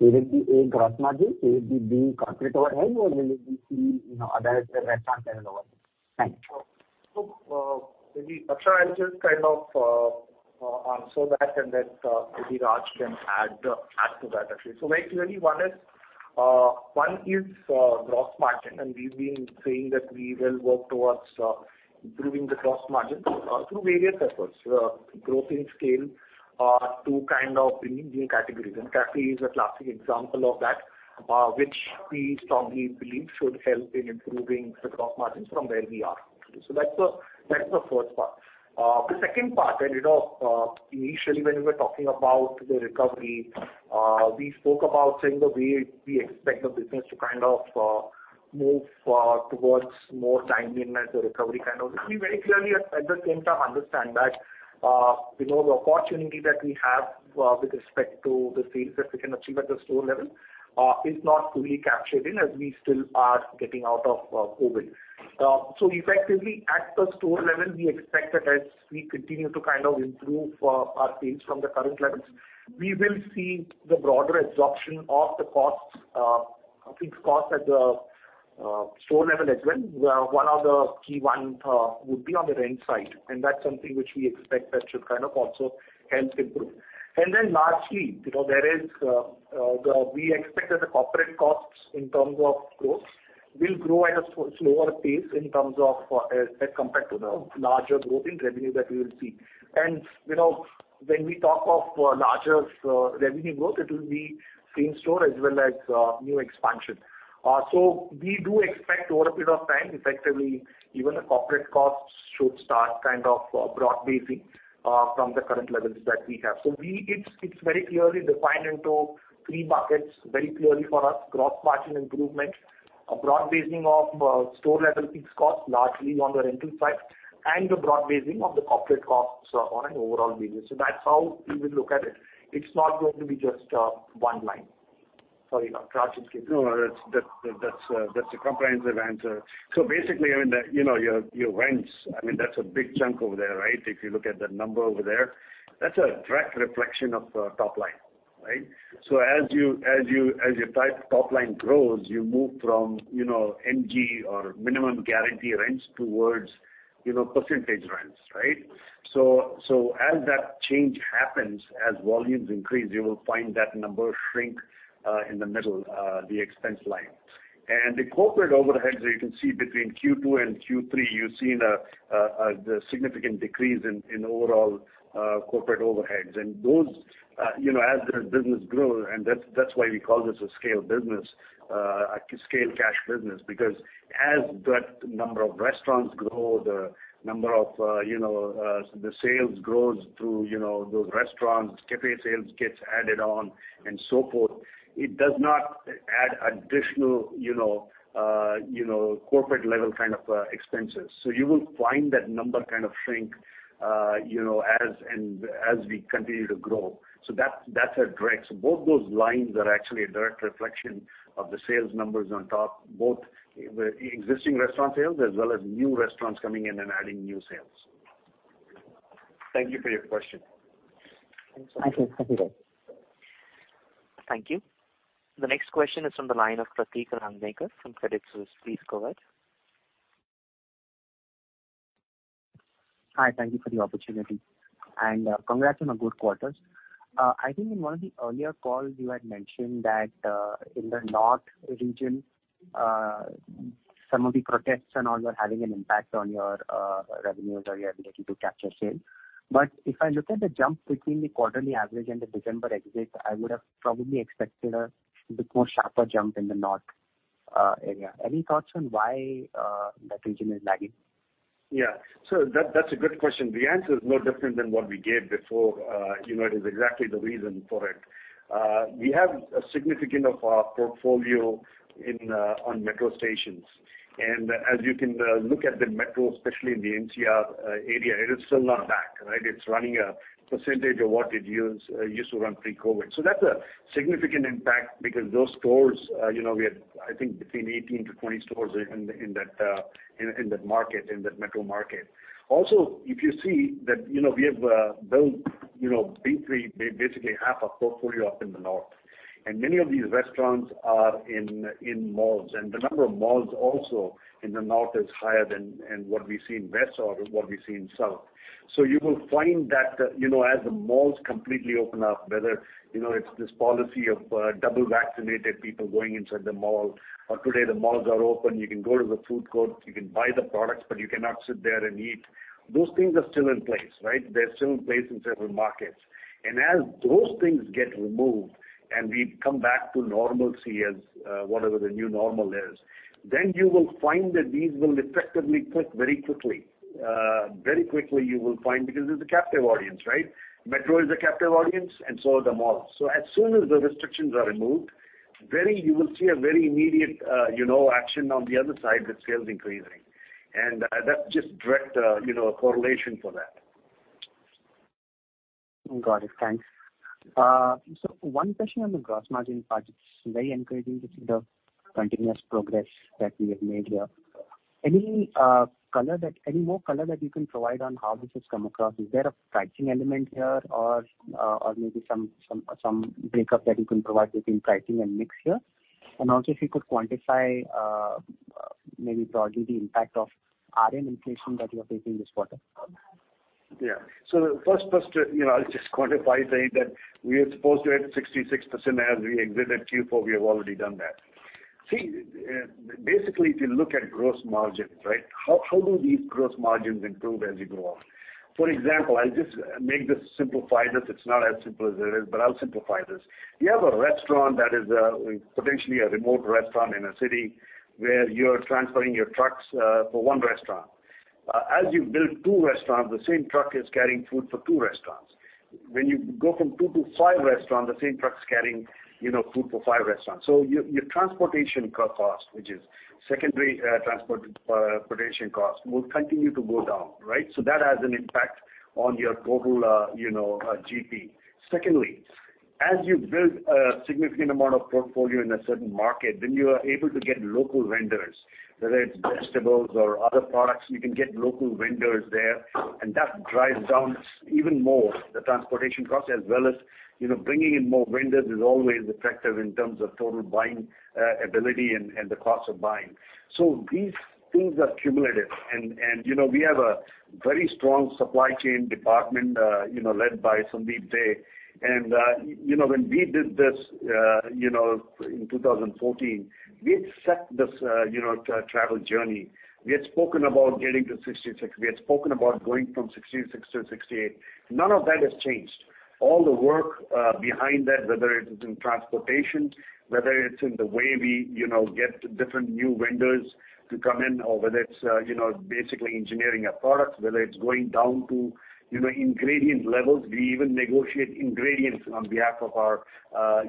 will it be, A, gross margin? Will it be, B, corporate overhead? Or will it be, C, you know, other restaurant level overhead? Thanks. Maybe Akshen, I'll just kind of answer that and then maybe Raj can add to that actually. Very clearly one is gross margin, and we've been saying that we will work towards improving the gross margin through various efforts. Growth in scale to kind of bringing new categories. Cafe is a classic example of that, which we strongly believe should help in improving the gross margins from where we are. That's the first part. The second part that you know initially when you were talking about the recovery we spoke about saying the way we expect the business to kind of move towards more dine-in as a recovery channel. We very clearly at the same time understand that, you know, the opportunity that we have with respect to the sales that we can achieve at the store level is not fully captured in, as we still are getting out of COVID. Effectively at the store level, we expect that as we continue to kind of improve our sales from the current levels, we will see the broader absorption of the costs. I think costs at the store level as well. One of the key would be on the rent side, and that's something which we expect that should kind of also help improve. Largely, you know, we expect that the corporate costs in terms of growth will grow at a slower pace in terms of, as compared to the larger growth in revenue that we will see. You know, when we talk of larger revenue growth, it will be same store as well as new expansion. We do expect over a period of time, effectively, even the corporate costs should start kind of broad basing from the current levels that we have. It is very clearly defined into three buckets very clearly for us. Gross margin improvement, a broad basing of store level fixed costs largely on the rental side, and the broad basing of the corporate costs on an overall basis. That's how we will look at it. It's not going to be just one line. Sorry, Raj. No, that's a comprehensive answer. Basically, I mean, you know, your rents, I mean, that's a big chunk over there, right? If you look at the number over there, that's a direct reflection of top line, right? As your top line grows, you move from, you know, MG or minimum guarantee rents towards, you know, percentage rents, right? As that change happens, as volumes increase, you will find that number shrink in the middle, the expense line. The corporate overheads, you can see between Q2 and Q3, you're seeing a significant decrease in overall corporate overheads. Those, you know, as the business grows, and that's why we call this a scale business, a scale cash business. Because as that number of restaurants grow, the number of, you know, the sales grows through, you know, those restaurants, cafe sales gets added on and so forth, it does not add additional, you know, you know, corporate level kind of expenses. You will find that number kind of shrink, you know, as we continue to grow. That's a direct. Both those lines are actually a direct reflection of the sales numbers on top, both the existing restaurant sales as well as new restaurants coming in and adding new sales. Thank you for your question. Thank you. Thank you, guys. Thank you. The next question is from the line of Pratik Rangnekar from Credit Suisse. Please go ahead. Hi, thank you for the opportunity. Congrats on a good quarters. I think in one of the earlier calls you had mentioned that, in the north region, some of the protests and all were having an impact on your revenues or your ability to capture sales. If I look at the jump between the quarterly average and the December exit, I would have probably expected a bit more sharper jump in the north area. Any thoughts on why that region is lagging? Yeah. That's a good question. The answer is no different than what we gave before. You know, it is exactly the reason for it. We have a significant portion of our portfolio on metro stations. As you can look at the metro, especially in the NCR area, it is still not back, right? It's running a percentage of what it used to run pre-COVID. That's a significant impact because those stores, you know, we had, I think, between 18-20 stores in that market, in that metro market. Also, if you see that, you know, we have built, you know, basically half our portfolio up in the north, and many of these restaurants are in malls. The number of malls also in the north is higher than what we see in west or what we see in south. You will find that, you know, as the malls completely open up, whether, you know, it's this policy of double vaccinated people going inside the mall, or today the malls are open, you can go to the food court, you can buy the products, but you cannot sit there and eat. Those things are still in place, right? They're still in place in several markets. As those things get removed and we come back to normalcy as whatever the new normal is, then you will find that these will effectively click very quickly. Very quickly you will find because it's a captive audience, right? Metro is a captive audience, and so are the malls. As soon as the restrictions are removed, you will see a very immediate action on the other side with sales increasing. That's just direct correlation for that. Got it. Thanks. So one question on the gross margin part. It's very encouraging to see the continuous progress that we have made here. Any more color that you can provide on how this has come across? Is there a pricing element here or maybe some breakup that you can provide between pricing and mix here? And also if you could quantify maybe broadly the impact of RM inflation that you are taking this quarter. First to you know, I'll just quantify saying that we are supposed to hit 66% as we exit Q4. We have already done that. See, basically, if you look at gross margins, right? How do these gross margins improve as you go on? For example, I'll just make this simple. This is not as simple as it is, but I'll simplify this. You have a restaurant that is potentially a remote restaurant in a city where you're transferring your trucks for one restaurant. As you build two restaurants, the same truck is carrying food for two restaurants. When you go from two to five restaurants, the same truck's carrying you know food for five restaurants. So your transportation cost, which is secondary transportation cost, will continue to go down, right? That has an impact on your total, you know, GP. Secondly, as you build a significant amount of portfolio in a certain market, then you are able to get local vendors. Whether it's vegetables or other products, you can get local vendors there, and that drives down even more the transportation costs as well as, you know, bringing in more vendors is always effective in terms of total buying, ability and the cost of buying. These things are cumulative. We have a very strong supply chain department, you know, led by Sandeep Dey. When we did this, you know, in 2014, we had set this, you know, travel journey. We had spoken about getting to 66. We had spoken about going from 66 to 68. None of that has changed. All the work behind that, whether it's in transportation, whether it's in the way we, you know, get different new vendors to come in or whether it's, you know, basically engineering a product, whether it's going down to, you know, ingredient levels. We even negotiate ingredients on behalf of our,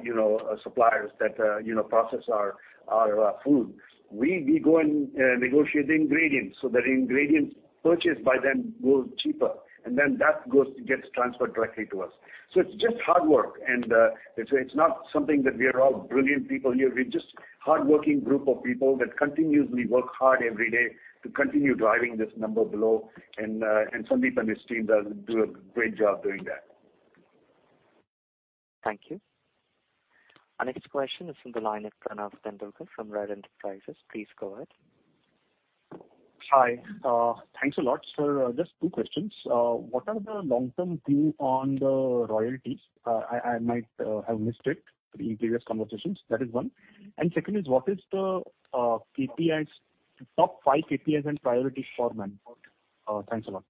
you know, suppliers that, you know, process our food. We go and negotiate the ingredients, so the ingredients purchased by them grow cheaper, and then that goes to get transferred directly to us. It's just hard work. It's not something that we are all brilliant people here. We're just hardworking group of people that continuously work hard every day to continue driving this number below. Sandeep and his team does do a great job doing that. Thank you. Our next question is from the line of Pranav Tendulkar from Rare Enterprises. Please go ahead. Hi, thanks a lot. Sir, just two questions. What are the long-term view on the royalties? I might have missed it in previous conversations. That is one. Second is what is the KPIs, top five KPIs and priorities for management? Thanks a lot.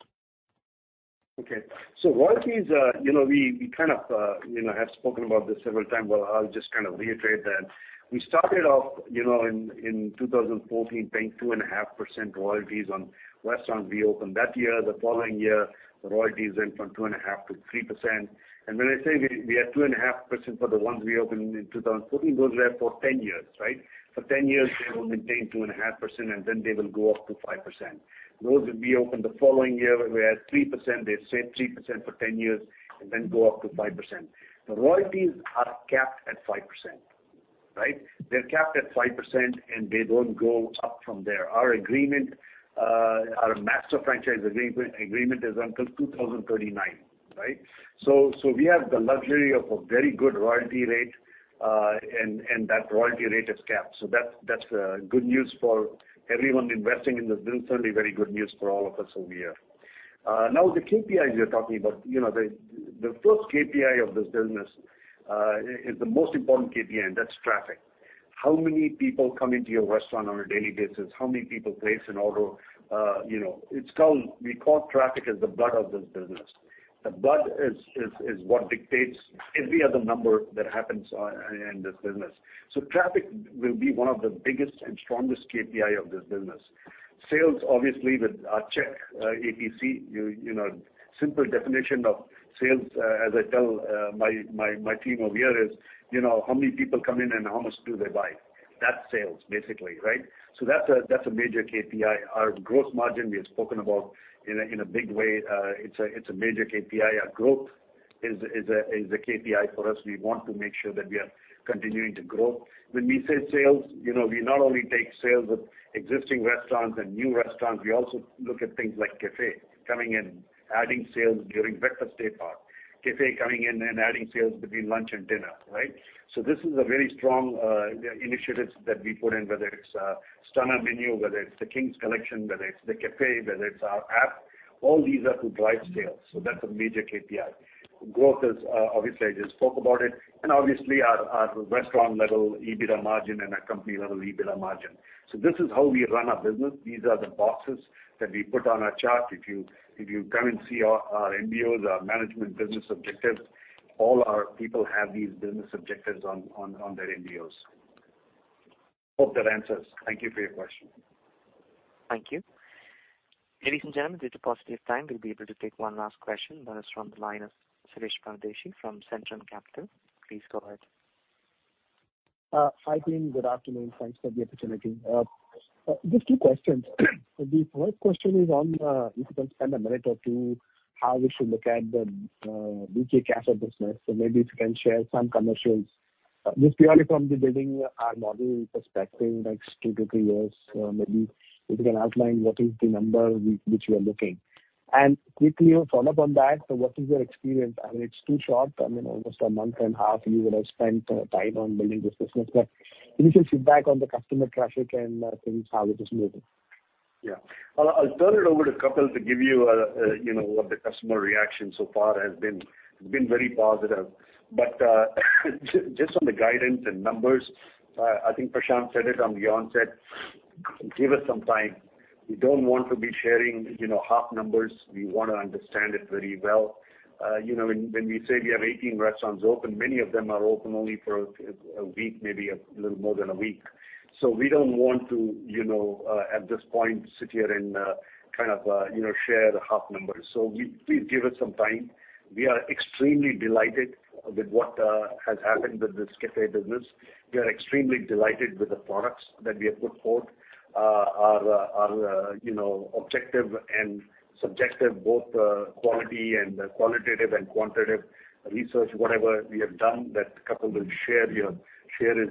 Okay. Royalties, you know, we kind of, you know, have spoken about this several times, but I'll just kind of reiterate that. We started off, you know, in 2014 paying 2.5% royalties on restaurants we opened that year. The following year, the royalties went from 2.5% to 3%. When I say we had 2.5% for the ones we opened in 2014, those were for 10 years, right? For 10 years they will maintain 2.5%, and then they will go up to 5%. Those that we opened the following year were at 3%. They stay at 3% for 10 years, and then go up to 5%. The royalties are capped at 5%, right? They're capped at 5%, and they don't go up from there. Our agreement, our master franchise agreement is until 2039, right? We have the luxury of a very good royalty rate, and that royalty rate is capped. That's good news for everyone investing in this business, certainly very good news for all of us over here. Now the KPIs you're talking about, you know, the first KPI of this business is the most important KPI, and that's traffic. How many people come into your restaurant on a daily basis? How many people place an order? You know, we call traffic as the blood of this business. The blood is what dictates every other number that happens in this business. Traffic will be one of the biggest and strongest KPI of this business. Sales, obviously, with average check, ATC, you know, simple definition of sales, as I tell my team over here is, you know, how many people come in and how much do they buy? That's sales, basically, right? That's a major KPI. Our gross margin we have spoken about in a big way. It's a major KPI. Our growth is a KPI for us. We want to make sure that we are continuing to grow. When we say sales, you know, we not only take sales of existing restaurants and new restaurants, we also look at things like cafe coming in, adding sales during breakfast daypart. Cafe coming in and adding sales between lunch and dinner, right? This is a very strong initiatives that we put in, whether it's a Stunner Menu, whether it's the Kings Collection, whether it's the cafe, whether it's our app. All these are to drive sales. That's a major KPI. Growth is obviously I just spoke about it, and obviously our restaurant level EBITDA margin and our company level EBITDA margin. This is how we run our business. These are the boxes that we put on our chart. If you come and see our MBOs, our management by objectives, all our people have these by objectives on their MBOs. Hope that answers. Thank you for your question. Thank you. Ladies and gentlemen, due to the time, we'll be able to take one last question. That is from the line of Shirish Pardeshi from Centrum Capital. Please go ahead. Hi, team. Good afternoon. Thanks for the opportunity. Just two questions. The first question is on if you can spend a minute or two how we should look at the BK Café business. Maybe if you can share some commercials. Just purely from the building our model perspective, next two to three years, maybe if you can outline what is the number which we are looking. Quickly a follow-up on that, what is your experience? I mean, it's too short. I mean, almost a month and a half you would have spent time on building this business. Any feedback on the customer traffic and things, how it is moving? I'll turn it over to Kapil to give you know, what the customer reaction so far has been. It's been very positive. Just on the guidance and numbers, I think Prashant said it at the onset. Give us some time. We don't want to be sharing, you know, half numbers. We wanna understand it very well. You know, when we say we have 18 restaurants open, many of them are open only for a week, maybe a little more than a week. So we don't want to, you know, at this point, sit here and, kind of, you know, share the half numbers. So please give us some time. We are extremely delighted with what has happened with this cafe business. We are extremely delighted with the products that we have put forth. Our objective and subjective, both qualitative and quantitative research, whatever we have done that Kapil will share, you know, share his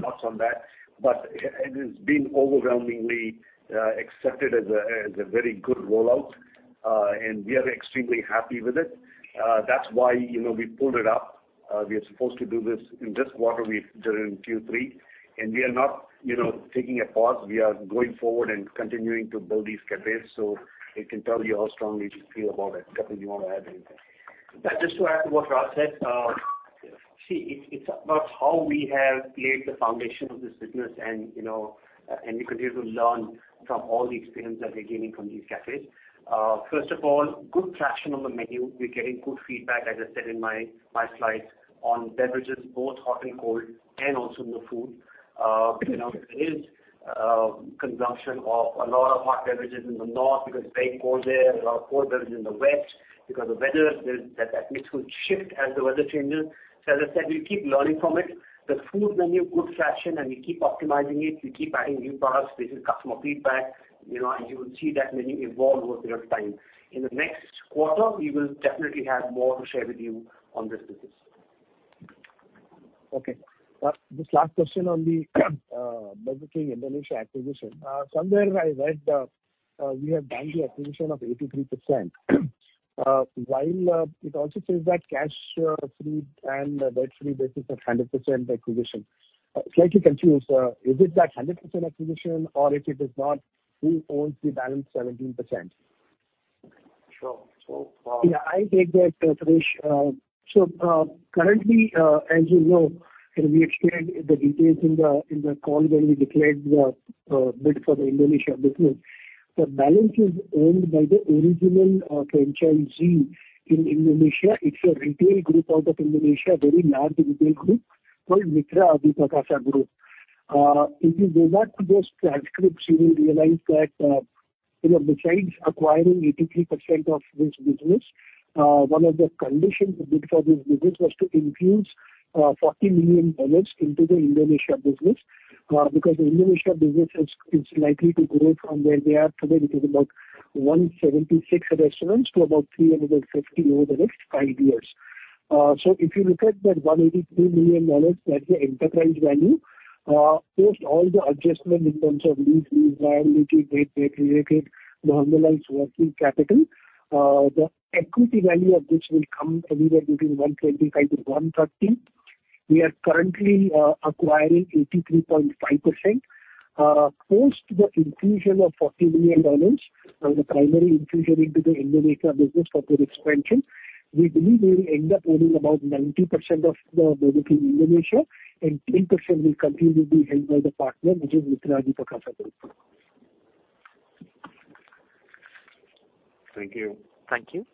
thoughts on that. It has been overwhelmingly accepted as a very good rollout. We are extremely happy with it. That's why, you know, we pulled it up. We are supposed to do this in this quarter, we've done it in Q3. We are not, you know, taking a pause. We are going forward and continuing to build these cafes. It can tell you how strongly we feel about it. Kapil, you want to add anything? Yeah, just to add to what Raj said. See, it's about how we have laid the foundation of this business and, you know, we continue to learn from all the experience that we're gaining from these cafes. First of all, good traction on the menu. We're getting good feedback, as I said in my slides, on beverages, both hot and cold, and also the food. You know, there is consumption of a lot of hot beverages in the north because it's very cold there. There's a lot of cold beverages in the west because of weather. That mix will shift as the weather changes. As I said, we keep learning from it. The food menu, good traction, and we keep optimizing it. We keep adding new products based on customer feedback. You know, you will see that menu evolve over a period of time. In the next quarter, we will definitely have more to share with you on this business. Okay. This last question on the Burger King Indonesia acquisition. Somewhere I read we have done the acquisition of 83%. While it also says that cash free and debt free basis of 100% acquisition. Slightly confused. Is it that 100% acquisition or if it is not, who owns the balance 17%? Sure. Yeah, I take that, Shirish. Currently, as you know, we explained the details in the call when we declared the bid for the Indonesia business. The balance is owned by the original franchisee in Indonesia. It's a retail group out of Indonesia, very large retail group called Mitra Adiperkasa Group. If you go back to those transcripts, you will realize that, you know, besides acquiring 83% of this business, one of the conditions we bid for this business was to infuse $40 million into the Indonesia business. Because the Indonesia business is likely to grow from where they are today, which is about 176 restaurants to about 350 over the next five years. If you look at that $183 million, that's the enterprise value. Post all the adjustments in terms of lease liability, debt-related, normalized working capital. The equity value of this will come anywhere between $125 million-$130 million. We are currently acquiring 83.5%. Post the infusion of $40 million, the primary infusion into the Indonesia business for their expansion. We believe we will end up owning about 90% of the Burger King Indonesia and 10% will continue to be held by the partner, which is Mitra Adiperkasa. Thank you. Thank you.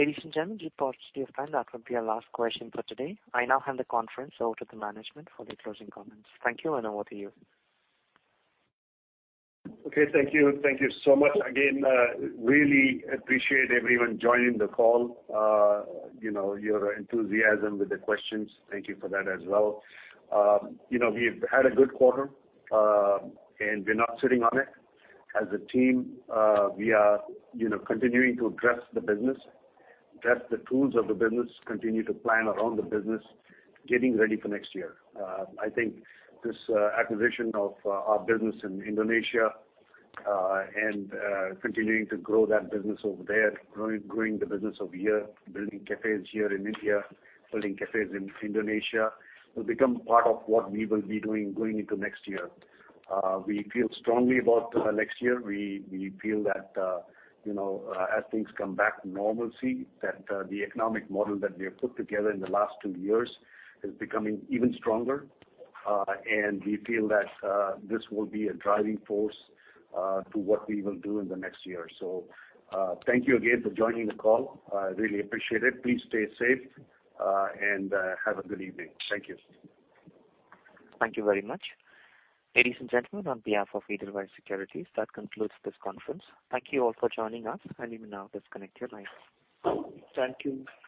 Ladies and gentlemen, due to paucity of time, that will be our last question for today. I now hand the conference over to the management for the closing comments. Thank you, and over to you. Okay, thank you. Thank you so much again. Really appreciate everyone joining the call. You know, your enthusiasm with the questions. Thank you for that as well. You know, we've had a good quarter, and we're not sitting on it. As a team, we are, you know, continuing to address the business, address the tools of the business, continue to plan around the business, getting ready for next year. I think this acquisition of our business in Indonesia and continuing to grow that business over there, growing the business over here, building cafes here in India, building cafes in Indonesia, will become part of what we will be doing going into next year. We feel strongly about next year. We feel that you know as things come back to normalcy that the economic model that we have put together in the last two years is becoming even stronger. We feel that this will be a driving force to what we will do in the next year. Thank you again for joining the call. I really appreciate it. Please stay safe and have a good evening. Thank you. Thank you very much. Ladies and gentlemen, on behalf of Edelweiss Financial Services, that concludes this conference. Thank you all for joining us. You may now disconnect your lines. Thank you.